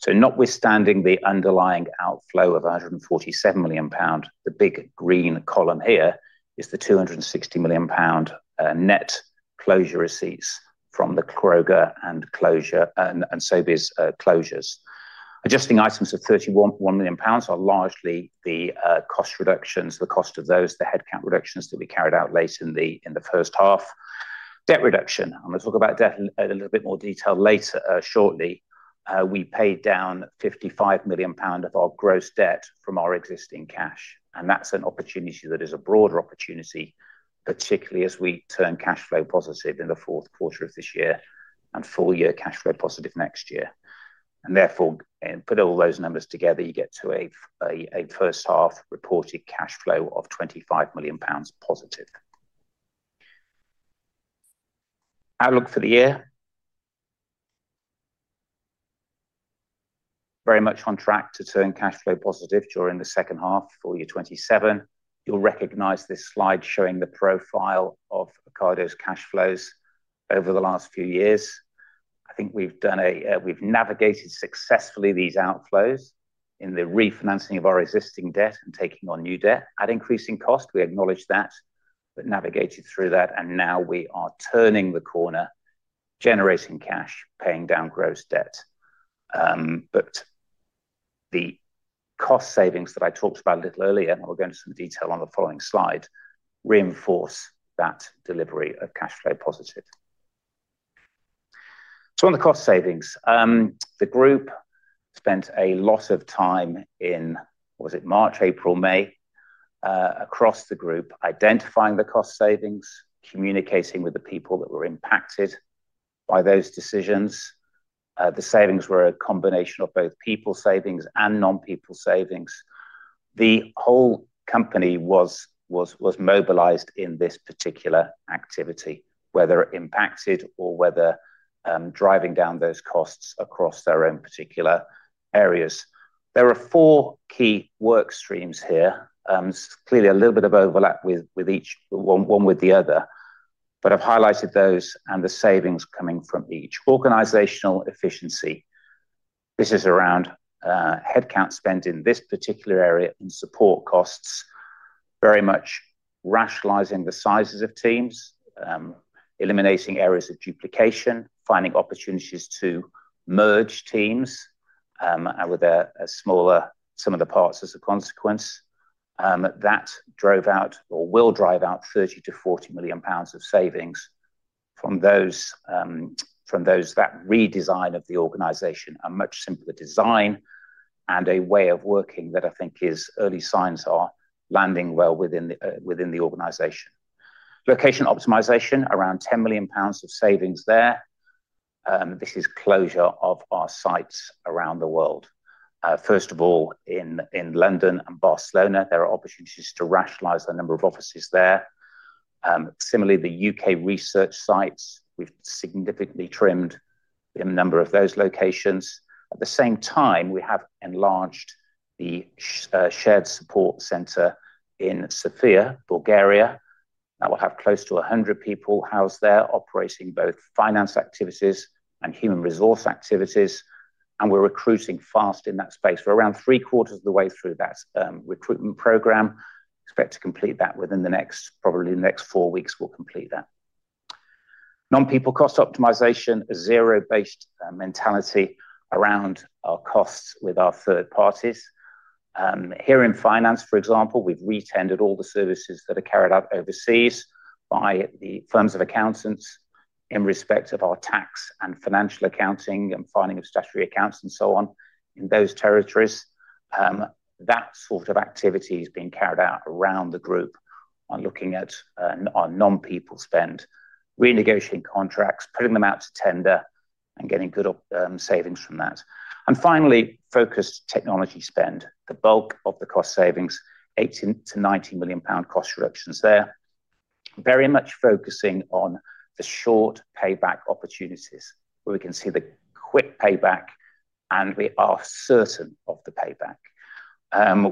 Notwithstanding the underlying outflow of 147 million pounds, the big green column here is the 260 million pound net closure receipts from the Kroger and Sobeys closures. Adjusting items of 31 million pounds are largely the cost reductions, the cost of those, the headcount reductions that we carried out late in the first half. Debt reduction. I'm going to talk about debt in a little bit more detail later, shortly. We paid down 55 million pound of our gross debt from our existing cash, and that's an opportunity that is a broader opportunity, particularly as we turn cash flow positive in the fourth quarter of this year, and full year cash flow positive next year. Therefore, put all those numbers together, you get to a first half reported cash flow of 25 million pounds positive. Outlook for the year. Very much on track to turn cash flow positive during the second half, full year 2027. You'll recognize this slide showing the profile of Ocado's cash flows over the last few years. I think we've navigated successfully these outflows in the refinancing of our existing debt and taking on new debt at increasing cost, we acknowledge that, but navigated through that, and now we are turning the corner, generating cash, paying down gross debt. The cost savings that I talked about a little earlier, and we'll go into some detail on the following slide, reinforce that delivery of cash flow positive. So on the cost savings. The group spent a lot of time in, was it March, April, May, across the group identifying the cost savings, communicating with the people that were impacted by those decisions. The savings were a combination of both people savings and non-people savings. The whole company was mobilized in this particular activity, whether impacted or whether driving down those costs across their own particular areas. There are four key work streams here. Clearly a little bit of overlap one with the other, I've highlighted those and the savings coming from each. Organizational efficiency. This is around headcount spend in this particular area in support costs, very much rationalizing the sizes of teams, eliminating areas of duplication, finding opportunities to merge teams with some of the parts as a consequence. That drove out or will drive out 30 million-40 million pounds of savings from those that redesign of the organization. A much simpler design and a way of working that I think is early signs are landing well within the organization. Location optimization, around 10 million pounds of savings there. This is closure of our sites around the world. First of all, in London and Barcelona, there are opportunities to rationalize the number of offices there. Similarly, the U.K. research sites, we've significantly trimmed the number of those locations. At the same time, we have enlarged the shared support center in Sofia, Bulgaria, that will have close to 100 people housed there operating both finance activities and human resource activities, and we're recruiting fast in that space. We're around three quarters of the way through that recruitment program. Expect to complete that within the next, probably the next four weeks, we'll complete that. Non-people cost optimization, a zero-based mentality around our costs with our third parties. Here in finance, for example, we've retendered all the services that are carried out overseas by the firms of accountants in respect of our tax and financial accounting and filing of statutory accounts and so on in those territories. That sort of activity is being carried out around the group on looking at our non-people spend, renegotiating contracts, putting them out to tender and getting good savings from that. Finally, focused technology spend. The bulk of the cost savings, 18 million-19 million pound cost reductions there. Very much focusing on the short payback opportunities where we can see the quick payback, and we are certain of the payback.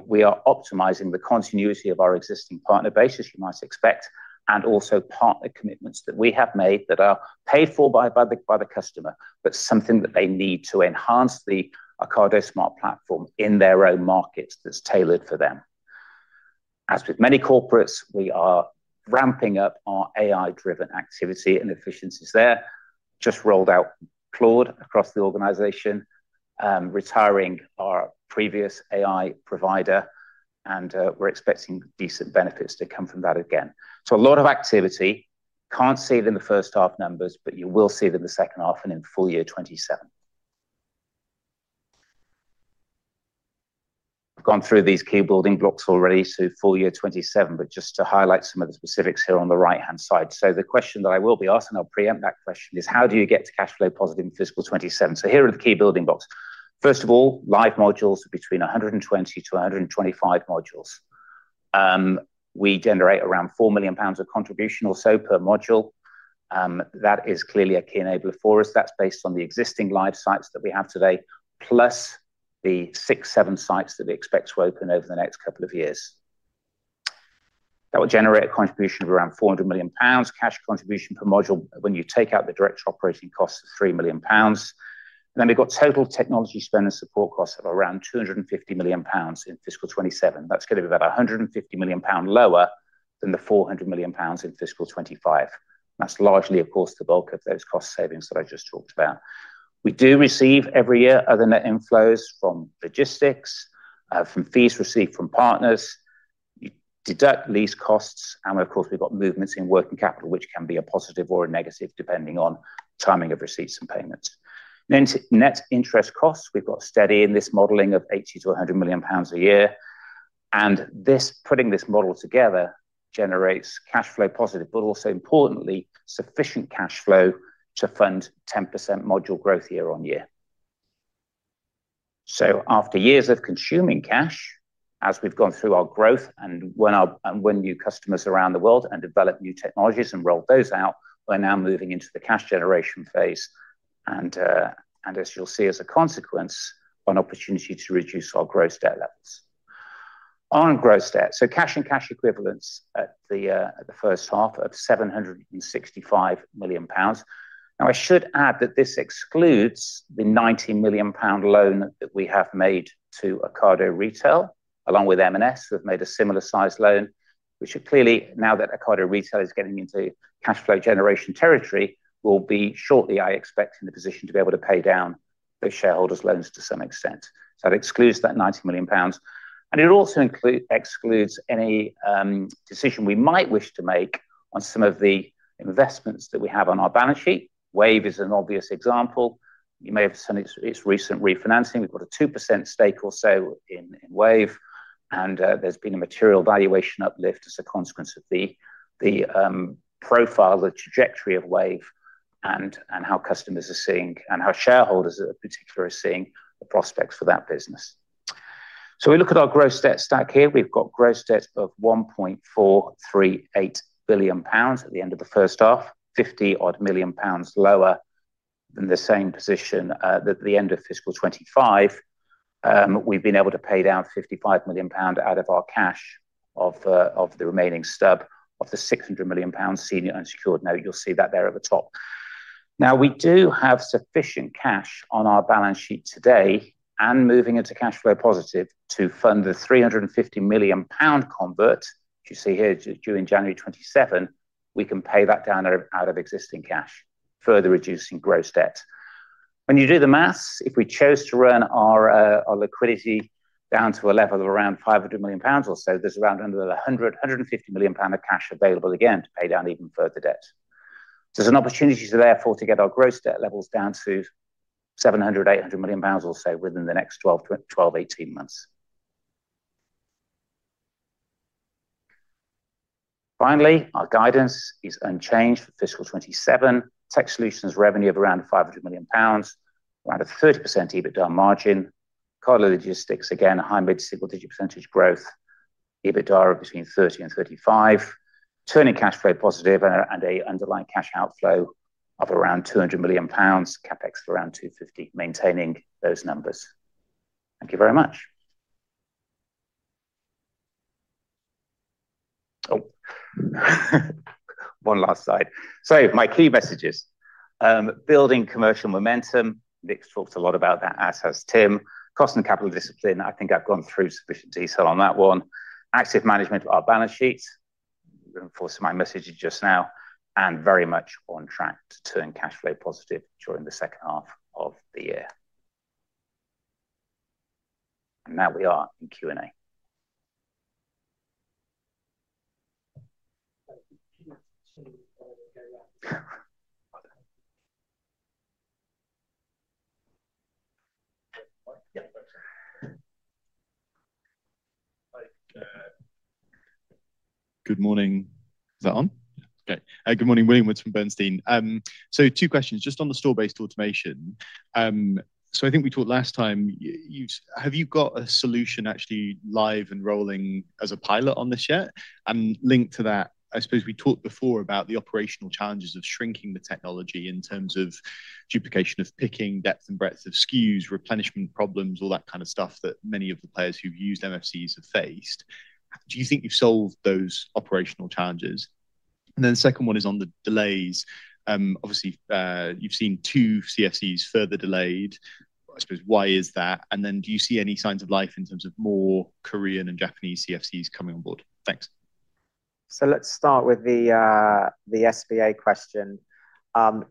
We are optimizing the continuity of our existing partner base, as you might expect, and also partner commitments that we have made that are paid for by the customer, but something that they need to enhance the Ocado Smart Platform in their own markets that's tailored for them. As with many corporates, we are ramping up our AI-driven activity and efficiencies there. Just rolled out Claude across the organization, retiring our previous AI provider, and we're expecting decent benefits to come from that again. A lot of activity. Can't see it in the first half numbers, but you will see it in the second half and in full year 2027. I've gone through these key building blocks already, so full year 2027, but just to highlight some of the specifics here on the right-hand side. The question that I will be asked, and I'll preempt that question, is how do you get to cash flow positive in fiscal 2027? Here are the key building blocks. First of all, live modules between 120-125 modules. We generate around 4 million pounds of contribution or so per module. That is clearly a key enabler for us. That's based on the existing live sites that we have today, plus the six, seven sites that we expect to open over the next couple of years. That will generate a contribution of around 400 million pounds cash contribution per module when you take out the direct operating costs of 3 million pounds. We've got total technology spend and support costs of around 250 million pounds in fiscal 2027. That's going to be about 150 million pounds lower than the 400 million pounds in fiscal 2025. That's largely, of course, the bulk of those cost savings that I just talked about. We do receive every year other net inflows from logistics, from fees received from partners. You deduct lease costs, and of course, we've got movements in working capital, which can be a positive or a negative depending on timing of receipts and payments. Net interest costs we've got steady in this modeling of 80 million-100 million pounds a year. Putting this model together generates cash flow positive, but also importantly, sufficient cash flow to fund 10% module growth year-on-year. After years of consuming cash, as we've gone through our growth and won new customers around the world and developed new technologies and rolled those out, we're now moving into the cash generation phase. As you'll see as a consequence, an opportunity to reduce our gross debt levels. On gross debt, cash and cash equivalents at the first half of 765 million pounds. Now, I should add that this excludes the 90 million pound loan that we have made to Ocado Retail, along with M&S, who have made a similar size loan. We should clearly, now that Ocado Retail is getting into cash flow generation territory, will be shortly, I expect, in the position to be able to pay down those shareholders' loans to some extent. That excludes that 90 million pounds. It also excludes any decision we might wish to make on some of the investments that we have on our balance sheet. Wayve is an obvious example. You may have seen its recent refinancing. We've got a 2% stake or so in Wayve, and there's been a material valuation uplift as a consequence of the profile, the trajectory of Wayve, and how customers are seeing, and how shareholders in particular are seeing the prospects for that business. We look at our gross debt stack here. We've got gross debt of 1.438 billion pounds at the end of the first half, 50-odd million pounds lower than the same position at the end of fiscal 2025. We've been able to pay down 55 million pounds out of our cash of the remaining stub of the 600 million pounds senior unsecured note. You'll see that there at the top. We do have sufficient cash on our balance sheet today, and moving into cash flow positive to fund the 350 million pound convert, which you see here, during January 2027. We can pay that down out of existing cash, further reducing gross debt. When you do the maths, if we chose to run our liquidity down to a level of around 500 million pounds or so, there's around another 100 million pound, 150 million pound of cash available again to pay down even further debt. There's an opportunity therefore to get our gross debt levels down to 700 million, 800 million pounds or so within the next 12 to 18 months. Finally, our guidance is unchanged for fiscal 2027. Technology Solutions revenue of around 500 million pounds, around a 30% EBITDA margin. Ocado Logistics, again, high mid-single-digit percentage growth. EBITDA of between 30% and 35%. Turning cash flow positive and an underlying cash outflow of around 200 million pounds, CapEx of around 250 million, maintaining those numbers. Thank you very much. One last slide. My key messages, building commercial momentum. Nick's talked a lot about that, as has Tim. Cost and capital discipline, I think I've gone through sufficient detail on that one. Active management of our balance sheets, reinforcing my message just now, and very much on track to turn cash flow positive during the second half of the year. Now we are in Q and A. Good morning. Is that on? Okay. Good morning, William Woods from Bernstein. Two questions just on the store-based automation. I think we talked last time, have you got a solution actually live and rolling as a pilot on this yet? Linked to that, I suppose we talked before about the operational challenges of shrinking the technology in terms of duplication of picking depth and breadth of SKUs, replenishment problems, all that kind of stuff that many of the players who've used MFCs have faced. Do you think you've solved those operational challenges? The second one is on the delays. Obviously, you've seen two CFCs further delayed. I suppose, why is that? Do you see any signs of life in terms of more Korean and Japanese CFCs coming on board? Thanks. Let's start with the SBA question.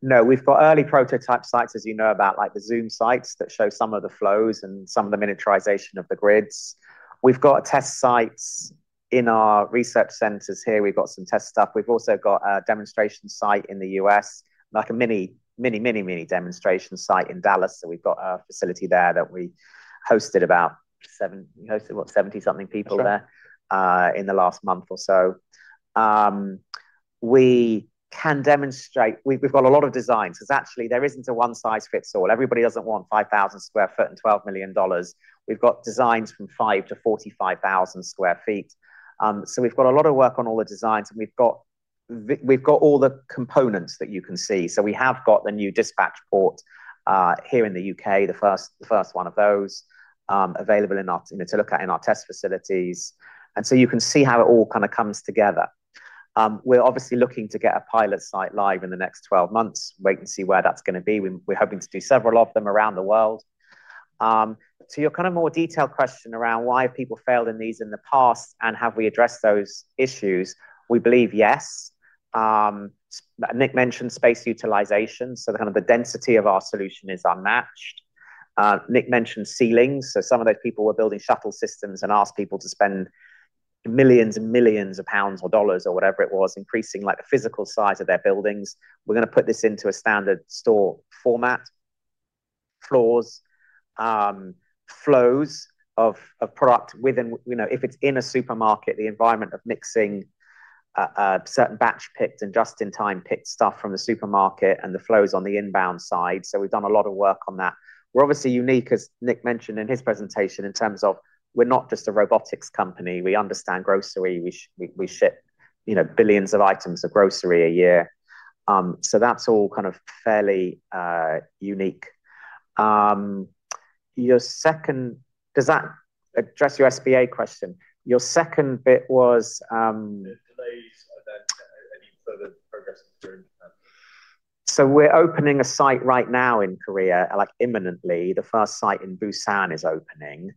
No, we've got early prototype sites, as you know, like the Ocado Zoom sites that show some of the flows and some of the miniaturization of the grids. We've got test sites in our research centers here. We've got some test stuff. We've also got a demonstration site in the U.S., like a mini demonstration site in Dallas. We've got a facility there that we hosted about 70-something people there- Sure In the last month or so. We've got a lot of designs because actually there isn't a one-size-fits-all. Everybody doesn't want 5,000 sq ft and GBP 12 million. We've got designs from five to 45,000 sq ft. We've got a lot of work on all the designs, and we've got all the components that you can see. We have got the new dispatch port, here in the U.K., the first one of those, available to look at in our test facilities. You can see how it all kind of comes together. We're obviously looking to get a pilot site live in the next 12 months, wait and see where that's going to be. We're hoping to do several of them around the world. To your more detailed question around why have people failed in these in the past and have we addressed those issues, we believe, yes. Nick mentioned space utilization, the kind of the density of our solution is unmatched. Nick mentioned ceilings, some of those people were building shuttle systems and asked people to spend millions and millions of pound or dollars or whatever it was, increasing the physical size of their buildings. We're going to put this into a standard store format. Flows. Flows of product within-- If it's in a supermarket, the environment of mixing a certain batch picked and just-in-time picked stuff from the supermarket and the flows on the inbound side. We've done a lot of work on that. We're obviously unique, as Nick mentioned in his presentation, in terms of we're not just a robotics company. We understand grocery. We ship billions of items of grocery a year. That's all kind of fairly unique. Does that address your SBA question? Your second bit was- The delays and then any further progress since your invest- We're opening a site right now in Korea imminently. The first site in Busan is opening.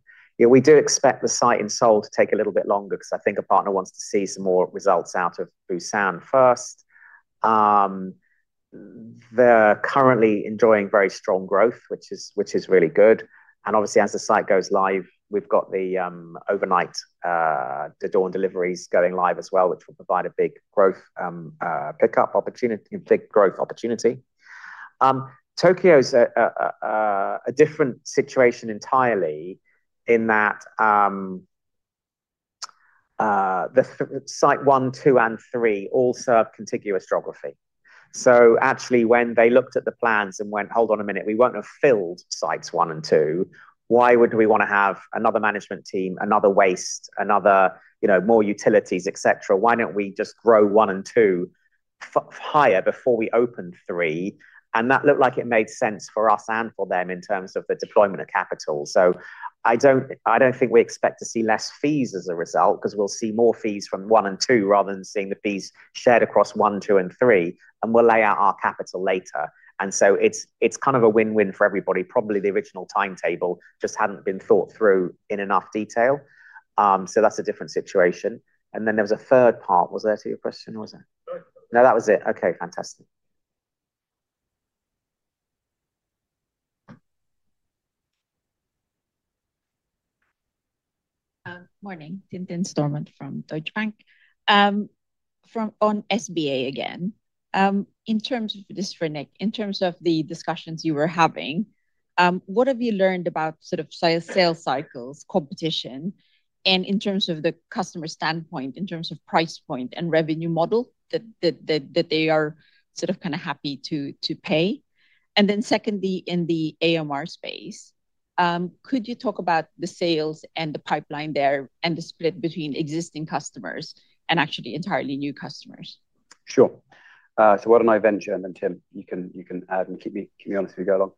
We do expect the site in Seoul to take a little bit longer because I think a partner wants to see some more results out of Busan first. They're currently enjoying very strong growth, which is really good. Obviously as the site goes live, we've got the overnight, the dawn deliveries going live as well, which will provide a big growth pickup opportunity, a big growth opportunity. Tokyo is a different situation entirely in that site one, two, and three all serve contiguous geography. Actually when they looked at the plans and went, "Hold on a minute, we won't have filled sites one and two. Why would we want to have another management team, another waste, more utilities, et cetera? Why don't we just grow one and two higher before we open three?" That looked like it made sense for us and for them in terms of the deployment of capital. I don't think we expect to see less fees as a result because we'll see more fees from one and two rather than seeing the fees shared across one, two, and three, and we'll lay out our capital later. It's kind of a win-win for everybody. Probably the original timetable just hadn't been thought through in enough detail. That's a different situation. There was a third part. Was there to your question or was that? No. No, that was it. Okay, fantastic. Morning. Tintin Stormont from Deutsche Numis. On SBA again, this is for Nick, in terms of the discussions you were having, what have you learned about sort of sales cycles, competition, and in terms of the customer standpoint, in terms of price point and revenue model, that they are sort of, kind of happy to pay? Secondly, in the AMR space, could you talk about the sales and the pipeline there and the split between existing customers and actually entirely new customers? Why don't I venture and then Tim, you can add and keep me honest as we go along.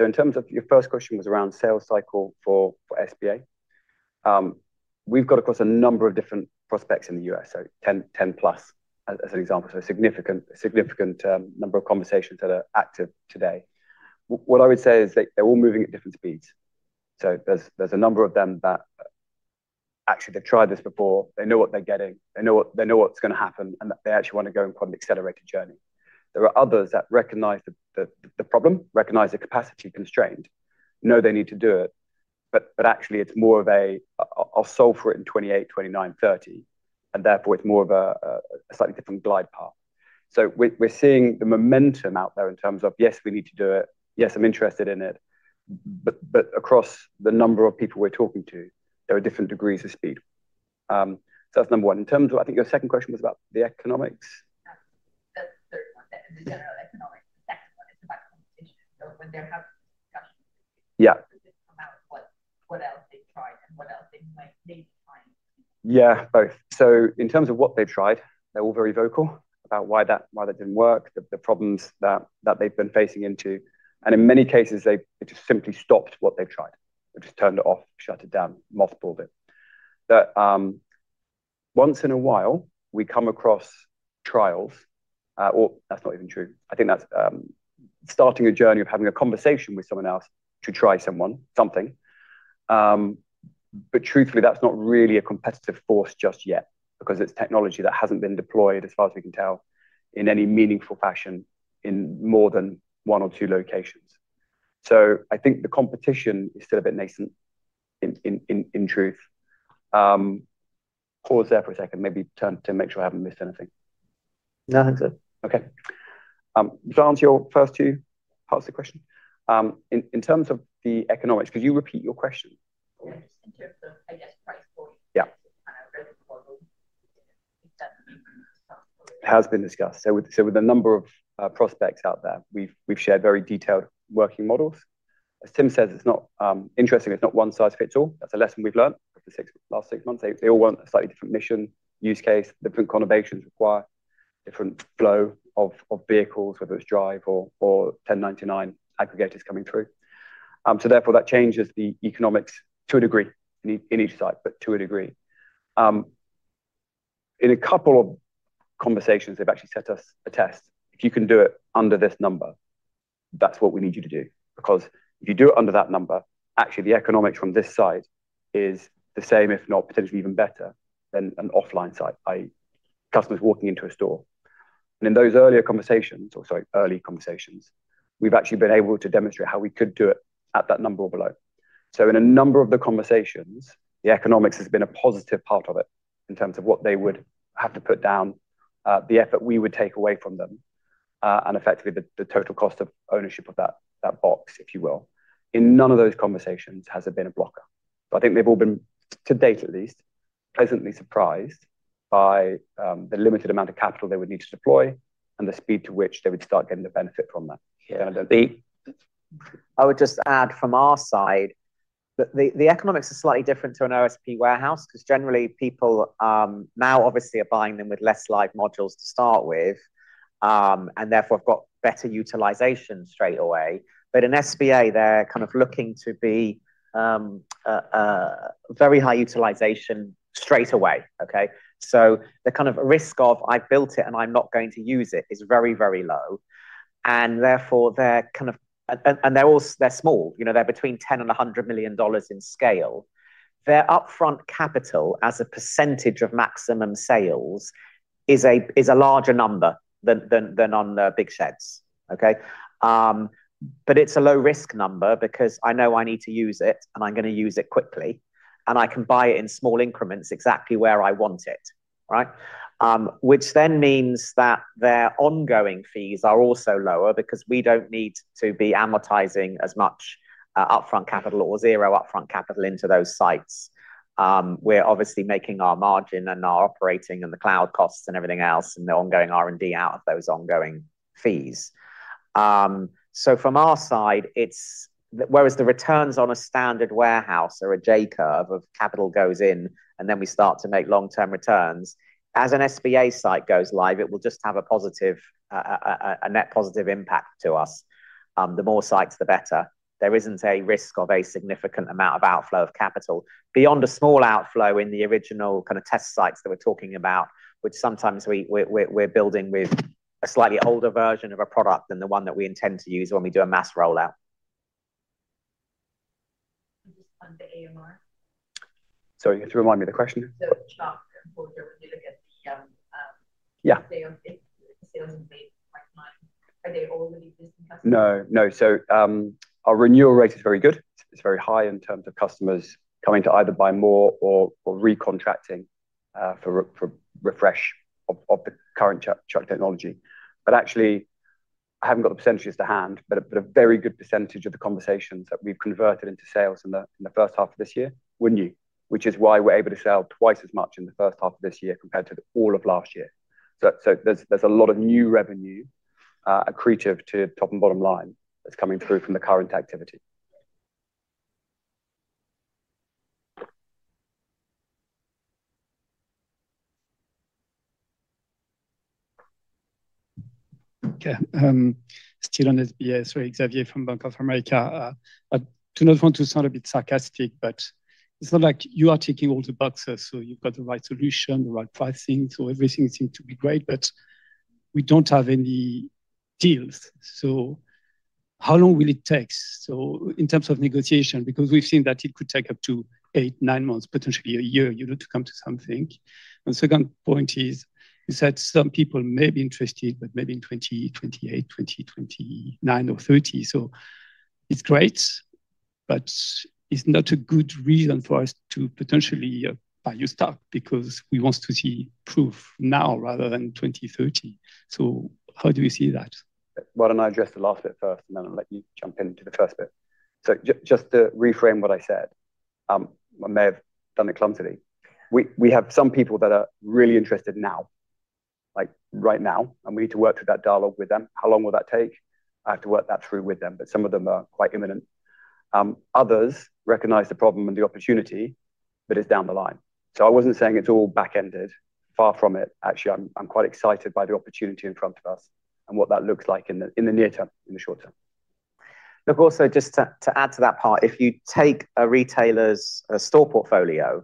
In terms of your first question was around sales cycle for SBA. We've got across a number of different prospects in the U.S., 10+ as an example. A significant number of conversations that are active today. What I would say is they're all moving at different speeds. There's a number of them that actually they've tried this before. They know what they're getting, they know what's going to happen, and they actually want to go on quite an accelerated journey. There are others that recognize the problem, recognize the capacity constraint, know they need to do it, but actually it's more of a, I'll solve for it in 2028, 2029, 2030, therefore it's more of a slightly different glide path. We're seeing the momentum out there in terms of, yes, we need to do it. Yes, I'm interested in it, across the number of people we're talking to, there are different degrees of speed. That's number one. In terms of, I think your second question was about the economics. That's the third one, in the general economics. The secondone is about competition. When they're having discussions with you- Yeah Does this come out what else they've tried and what else they might need to try? Yeah, both. In terms of what they've tried, they're all very vocal about why that didn't work, the problems that they've been facing into, and in many cases, they just simply stopped what they've tried or just turned it off, shut it down, mothballed it. Once in a while, we come across trials, or that's not even true. I think that's starting a journey of having a conversation with someone else to try something. Truthfully, that's not really a competitive force just yet because it's technology that hasn't been deployed as far as we can tell, in any meaningful fashion in more than one or two locations. I think the competition is still a bit nascent in truth. Pause there for a second, maybe Tim, make sure I haven't missed anything. No, I think it's good. Okay. To answer your first two parts of the question, in terms of the economics, could you repeat your question? Yeah. Just in terms of, I guess, price point? Yeah Kind of revenue model, if that's been discussed already. Has been discussed. With a number of prospects out there, we've shared very detailed working models. As Tim says, it's not interesting, it's not one size fits all. That's a lesson we've learned over the last six months. They all want a slightly different mission, use case, different conurbations require different flow of vehicles, whether it's drive or 1099 aggregators coming through. Therefore, that changes the economics to a degree in each site, but to a degree. In a couple of conversations, they've actually set us a test. If you can do it under this number, that's what we need you to do, because if you do it under that number, actually the economics from this site is the same, if not potentially even better than an offline site, i.e., customers walking into a store. In those earlier conversations, or, sorry, early conversations, we've actually been able to demonstrate how we could do it at that number or below. In a number of the conversations, the economics has been a positive part of it in terms of what they would have to put down, the effort we would take away from them, and effectively the total cost of ownership of that box, if you will. In none of those conversations has it been a blocker. I think they've all been, to date at least, pleasantly surprised by the limited amount of capital they would need to deploy and the speed to which they would start getting the benefit from that. Yeah. I would just add from our side that the economics are slightly different to an OSP warehouse, because generally people now obviously are buying them with less live modules to start with, and therefore have got better utilization straight away. An SBA, they're looking to be very high utilization straight away. Okay? The risk of, "I've built it and I'm not going to use it," is very low, and they're small. They're between $10 million-$100 million in scale. Their upfront capital as a percentage of maximum sales is a larger number than on the big sheds. Okay? But it's a low-risk number because I know I need to use it, and I'm going to use it quickly, and I can buy it in small increments exactly where I want it. Right? Means that their ongoing fees are also lower because we don't need to be amortizing as much upfront capital or zero upfront capital into those sites. We're obviously making our margin and our operating and the cloud costs and everything else, and the ongoing R&D out of those ongoing fees. From our side, whereas the returns on a standard warehouse are a J-curve of capital goes in, and then we start to make long-term returns, as an SBA site goes live, it will just have a net positive impact to us. The more sites, the better. There isn't a risk of a significant amount of outflow of capital beyond a small outflow in the original test sites that we're talking about, which sometimes we're building with a slightly older version of a product than the one that we intend to use when we do a mass rollout. Just on the AMR. Sorry, you have to remind me of the question. Chuck and Porter, when they look at. Yeah Sales in May, June, July, are they all existing customers? No. Our renewal rate is very good. It's very high in terms of customers coming to either buy more or recontracting, for refresh of the current Chuck technology. Actually, I haven't got the percentages to hand, a very good percentage of the conversations that we've converted into sales in the first half of this year were new, which is why we're able to sell twice as much in the first half of this year compared to all of last year. There's a lot of new revenue, accretive to top and bottom line that's coming through from the current activity. Okay. Still on SBA, sorry, Xavier from Bank of America. I do not want to sound a bit sarcastic, it's not like you are ticking all the boxes, you've got the right solution, the right pricing. Everything seems to be great, we don't have any deals. How long will it take? In terms of negotiation, because we've seen that it could take up to eight, nine months, potentially a year, to come to something. Second point is, you said some people may be interested, maybe in 2028, 2029, or 2030. It's great, it's not a good reason for us to potentially buy your stock because we want to see proof now rather than 2030. How do you see that? Why don't I address the last bit first, I'll let you jump into the first bit. Just to reframe what I said, I may have done it clumsily. We have some people that are really interested now, like right now, we need to work through that dialogue with them. How long will that take? I have to work that through with them, some of them are quite imminent. Others recognize the problem and the opportunity, it's down the line. I wasn't saying it's all back-ended. Far from it, actually. I'm quite excited by the opportunity in front of us and what that looks like in the near term, in the short term. Look, also, just to add to that part, if you take a retailer's store portfolio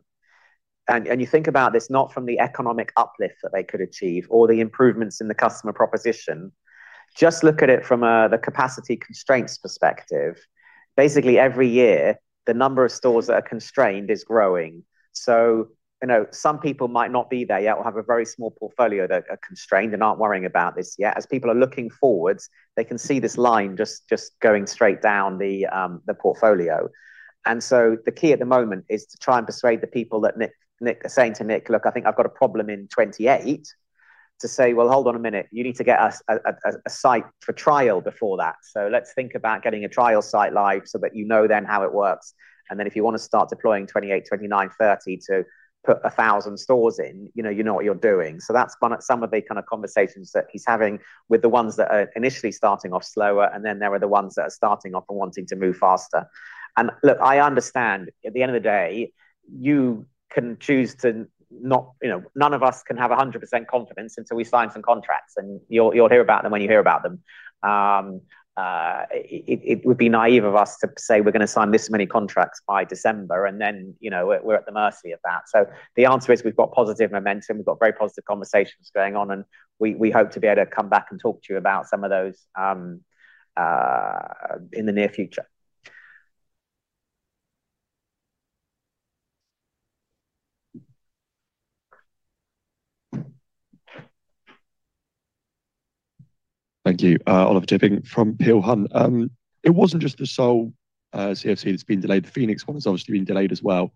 and you think about this, not from the economic uplift that they could achieve or the improvements in the customer proposition, just look at it from the capacity constraints perspective. Basically, every year, the number of stores that are constrained is growing. Some people might not be there yet or have a very small portfolio that are constrained and aren't worrying about this yet. As people are looking forwards, they can see this line just going straight down the portfolio. The key at the moment is to try and persuade the people that are saying to Nick, "Look, I think I've got a problem in 2028," to say, "Well, hold on a minute. You need to get us a site for trial before that. Let's think about getting a trial site live so that you know then how it works. If you want to start deploying 2028, 2029, 2030 to put 1,000 stores in, you know what you're doing. That's some of the kind of conversations that he's having with the ones that are initially starting off slower, and then there are the ones that are starting off and wanting to move faster. Look, I understand, at the end of the day, none of us can have 100% confidence until we sign some contracts and you'll hear about them when you hear about them. It would be naive of us to say we're going to sign this many contracts by December, and then, we're at the mercy of that. The answer is, we've got positive momentum, we've got very positive conversations going on, and we hope to be able to come back and talk to you about some of those in the near future. Thank you. Oliver Tipping from Peel Hunt. It wasn't just the Seoul CFC that's been delayed. The Phoenix one has obviously been delayed as well.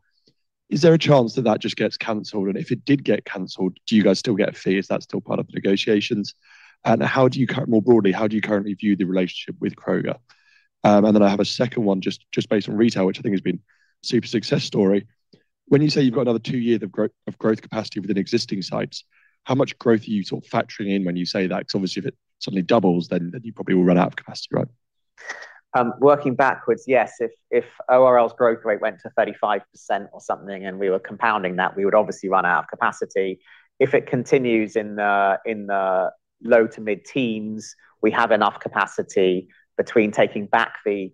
Is there a chance that that just gets canceled? If it did get canceled, do you guys still get fees? Is that still part of the negotiations? More broadly, how do you currently view the relationship with Kroger? I have a second one, just based on retail, which I think has been super success story. When you say you've got another two years of growth capacity within existing sites, how much growth are you factoring in when you say that? Because obviously if it suddenly doubles, then you probably will run out of capacity, right? Working backwards, yes. If ORL's growth rate went to 35% or something and we were compounding that, we would obviously run out of capacity. If it continues in the low to mid-teens, we have enough capacity between taking back the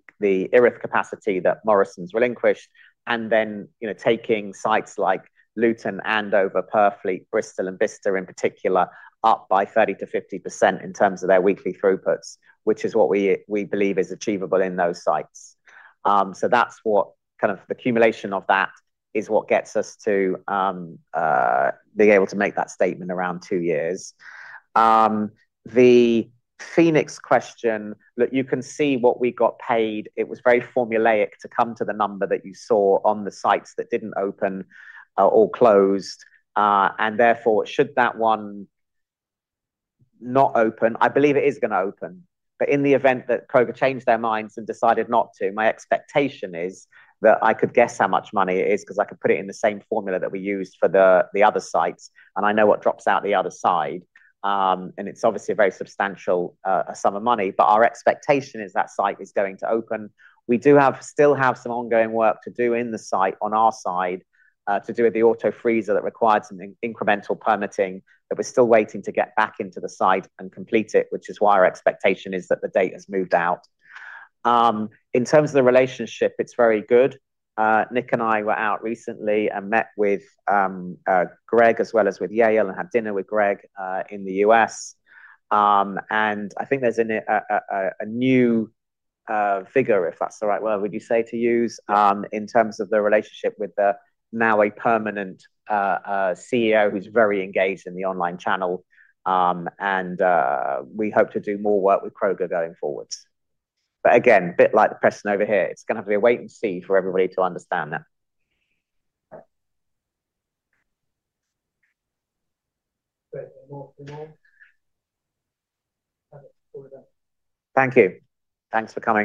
Erith capacity that Morrisons relinquished and then taking sites like Luton, Andover, Purfleet, Bristol, and Bicester in particular up by 30%-50% in terms of their weekly throughputs, which is what we believe is achievable in those sites. The accumulation of that is what gets us to being able to make that statement around two years. The Phoenix question, look, you can see what we got paid. It was very formulaic to come to the number that you saw on the sites that didn't open or closed. Therefore, should that one not open, I believe it is going to open, but in the event that Kroger changed their minds and decided not to, my expectation is that I could guess how much money it is because I could put it in the same formula that we used for the other sites, and I know what drops out the other side. It's obviously a very substantial sum of money, but our expectation is that site is going to open. We do still have some ongoing work to do in the site on our side to do with the Auto Freezer that required some incremental permitting that we're still waiting to get back into the site and complete it, which is why our expectation is that the date has moved out. In terms of the relationship, it's very good. Nick and I were out recently and met with Greg as well as with Yael and had dinner with Greg in the U.S. I think there's a new figure, if that's the right word, would you say to use, in terms of the relationship with the now a permanent CEO who's very engaged in the online channel. We hope to do more work with Kroger going forward. Again, bit like the Preston over here, it's going to have to be a wait and see for everybody to understand that. Great. Any more? Over there. Thank you. Thanks for coming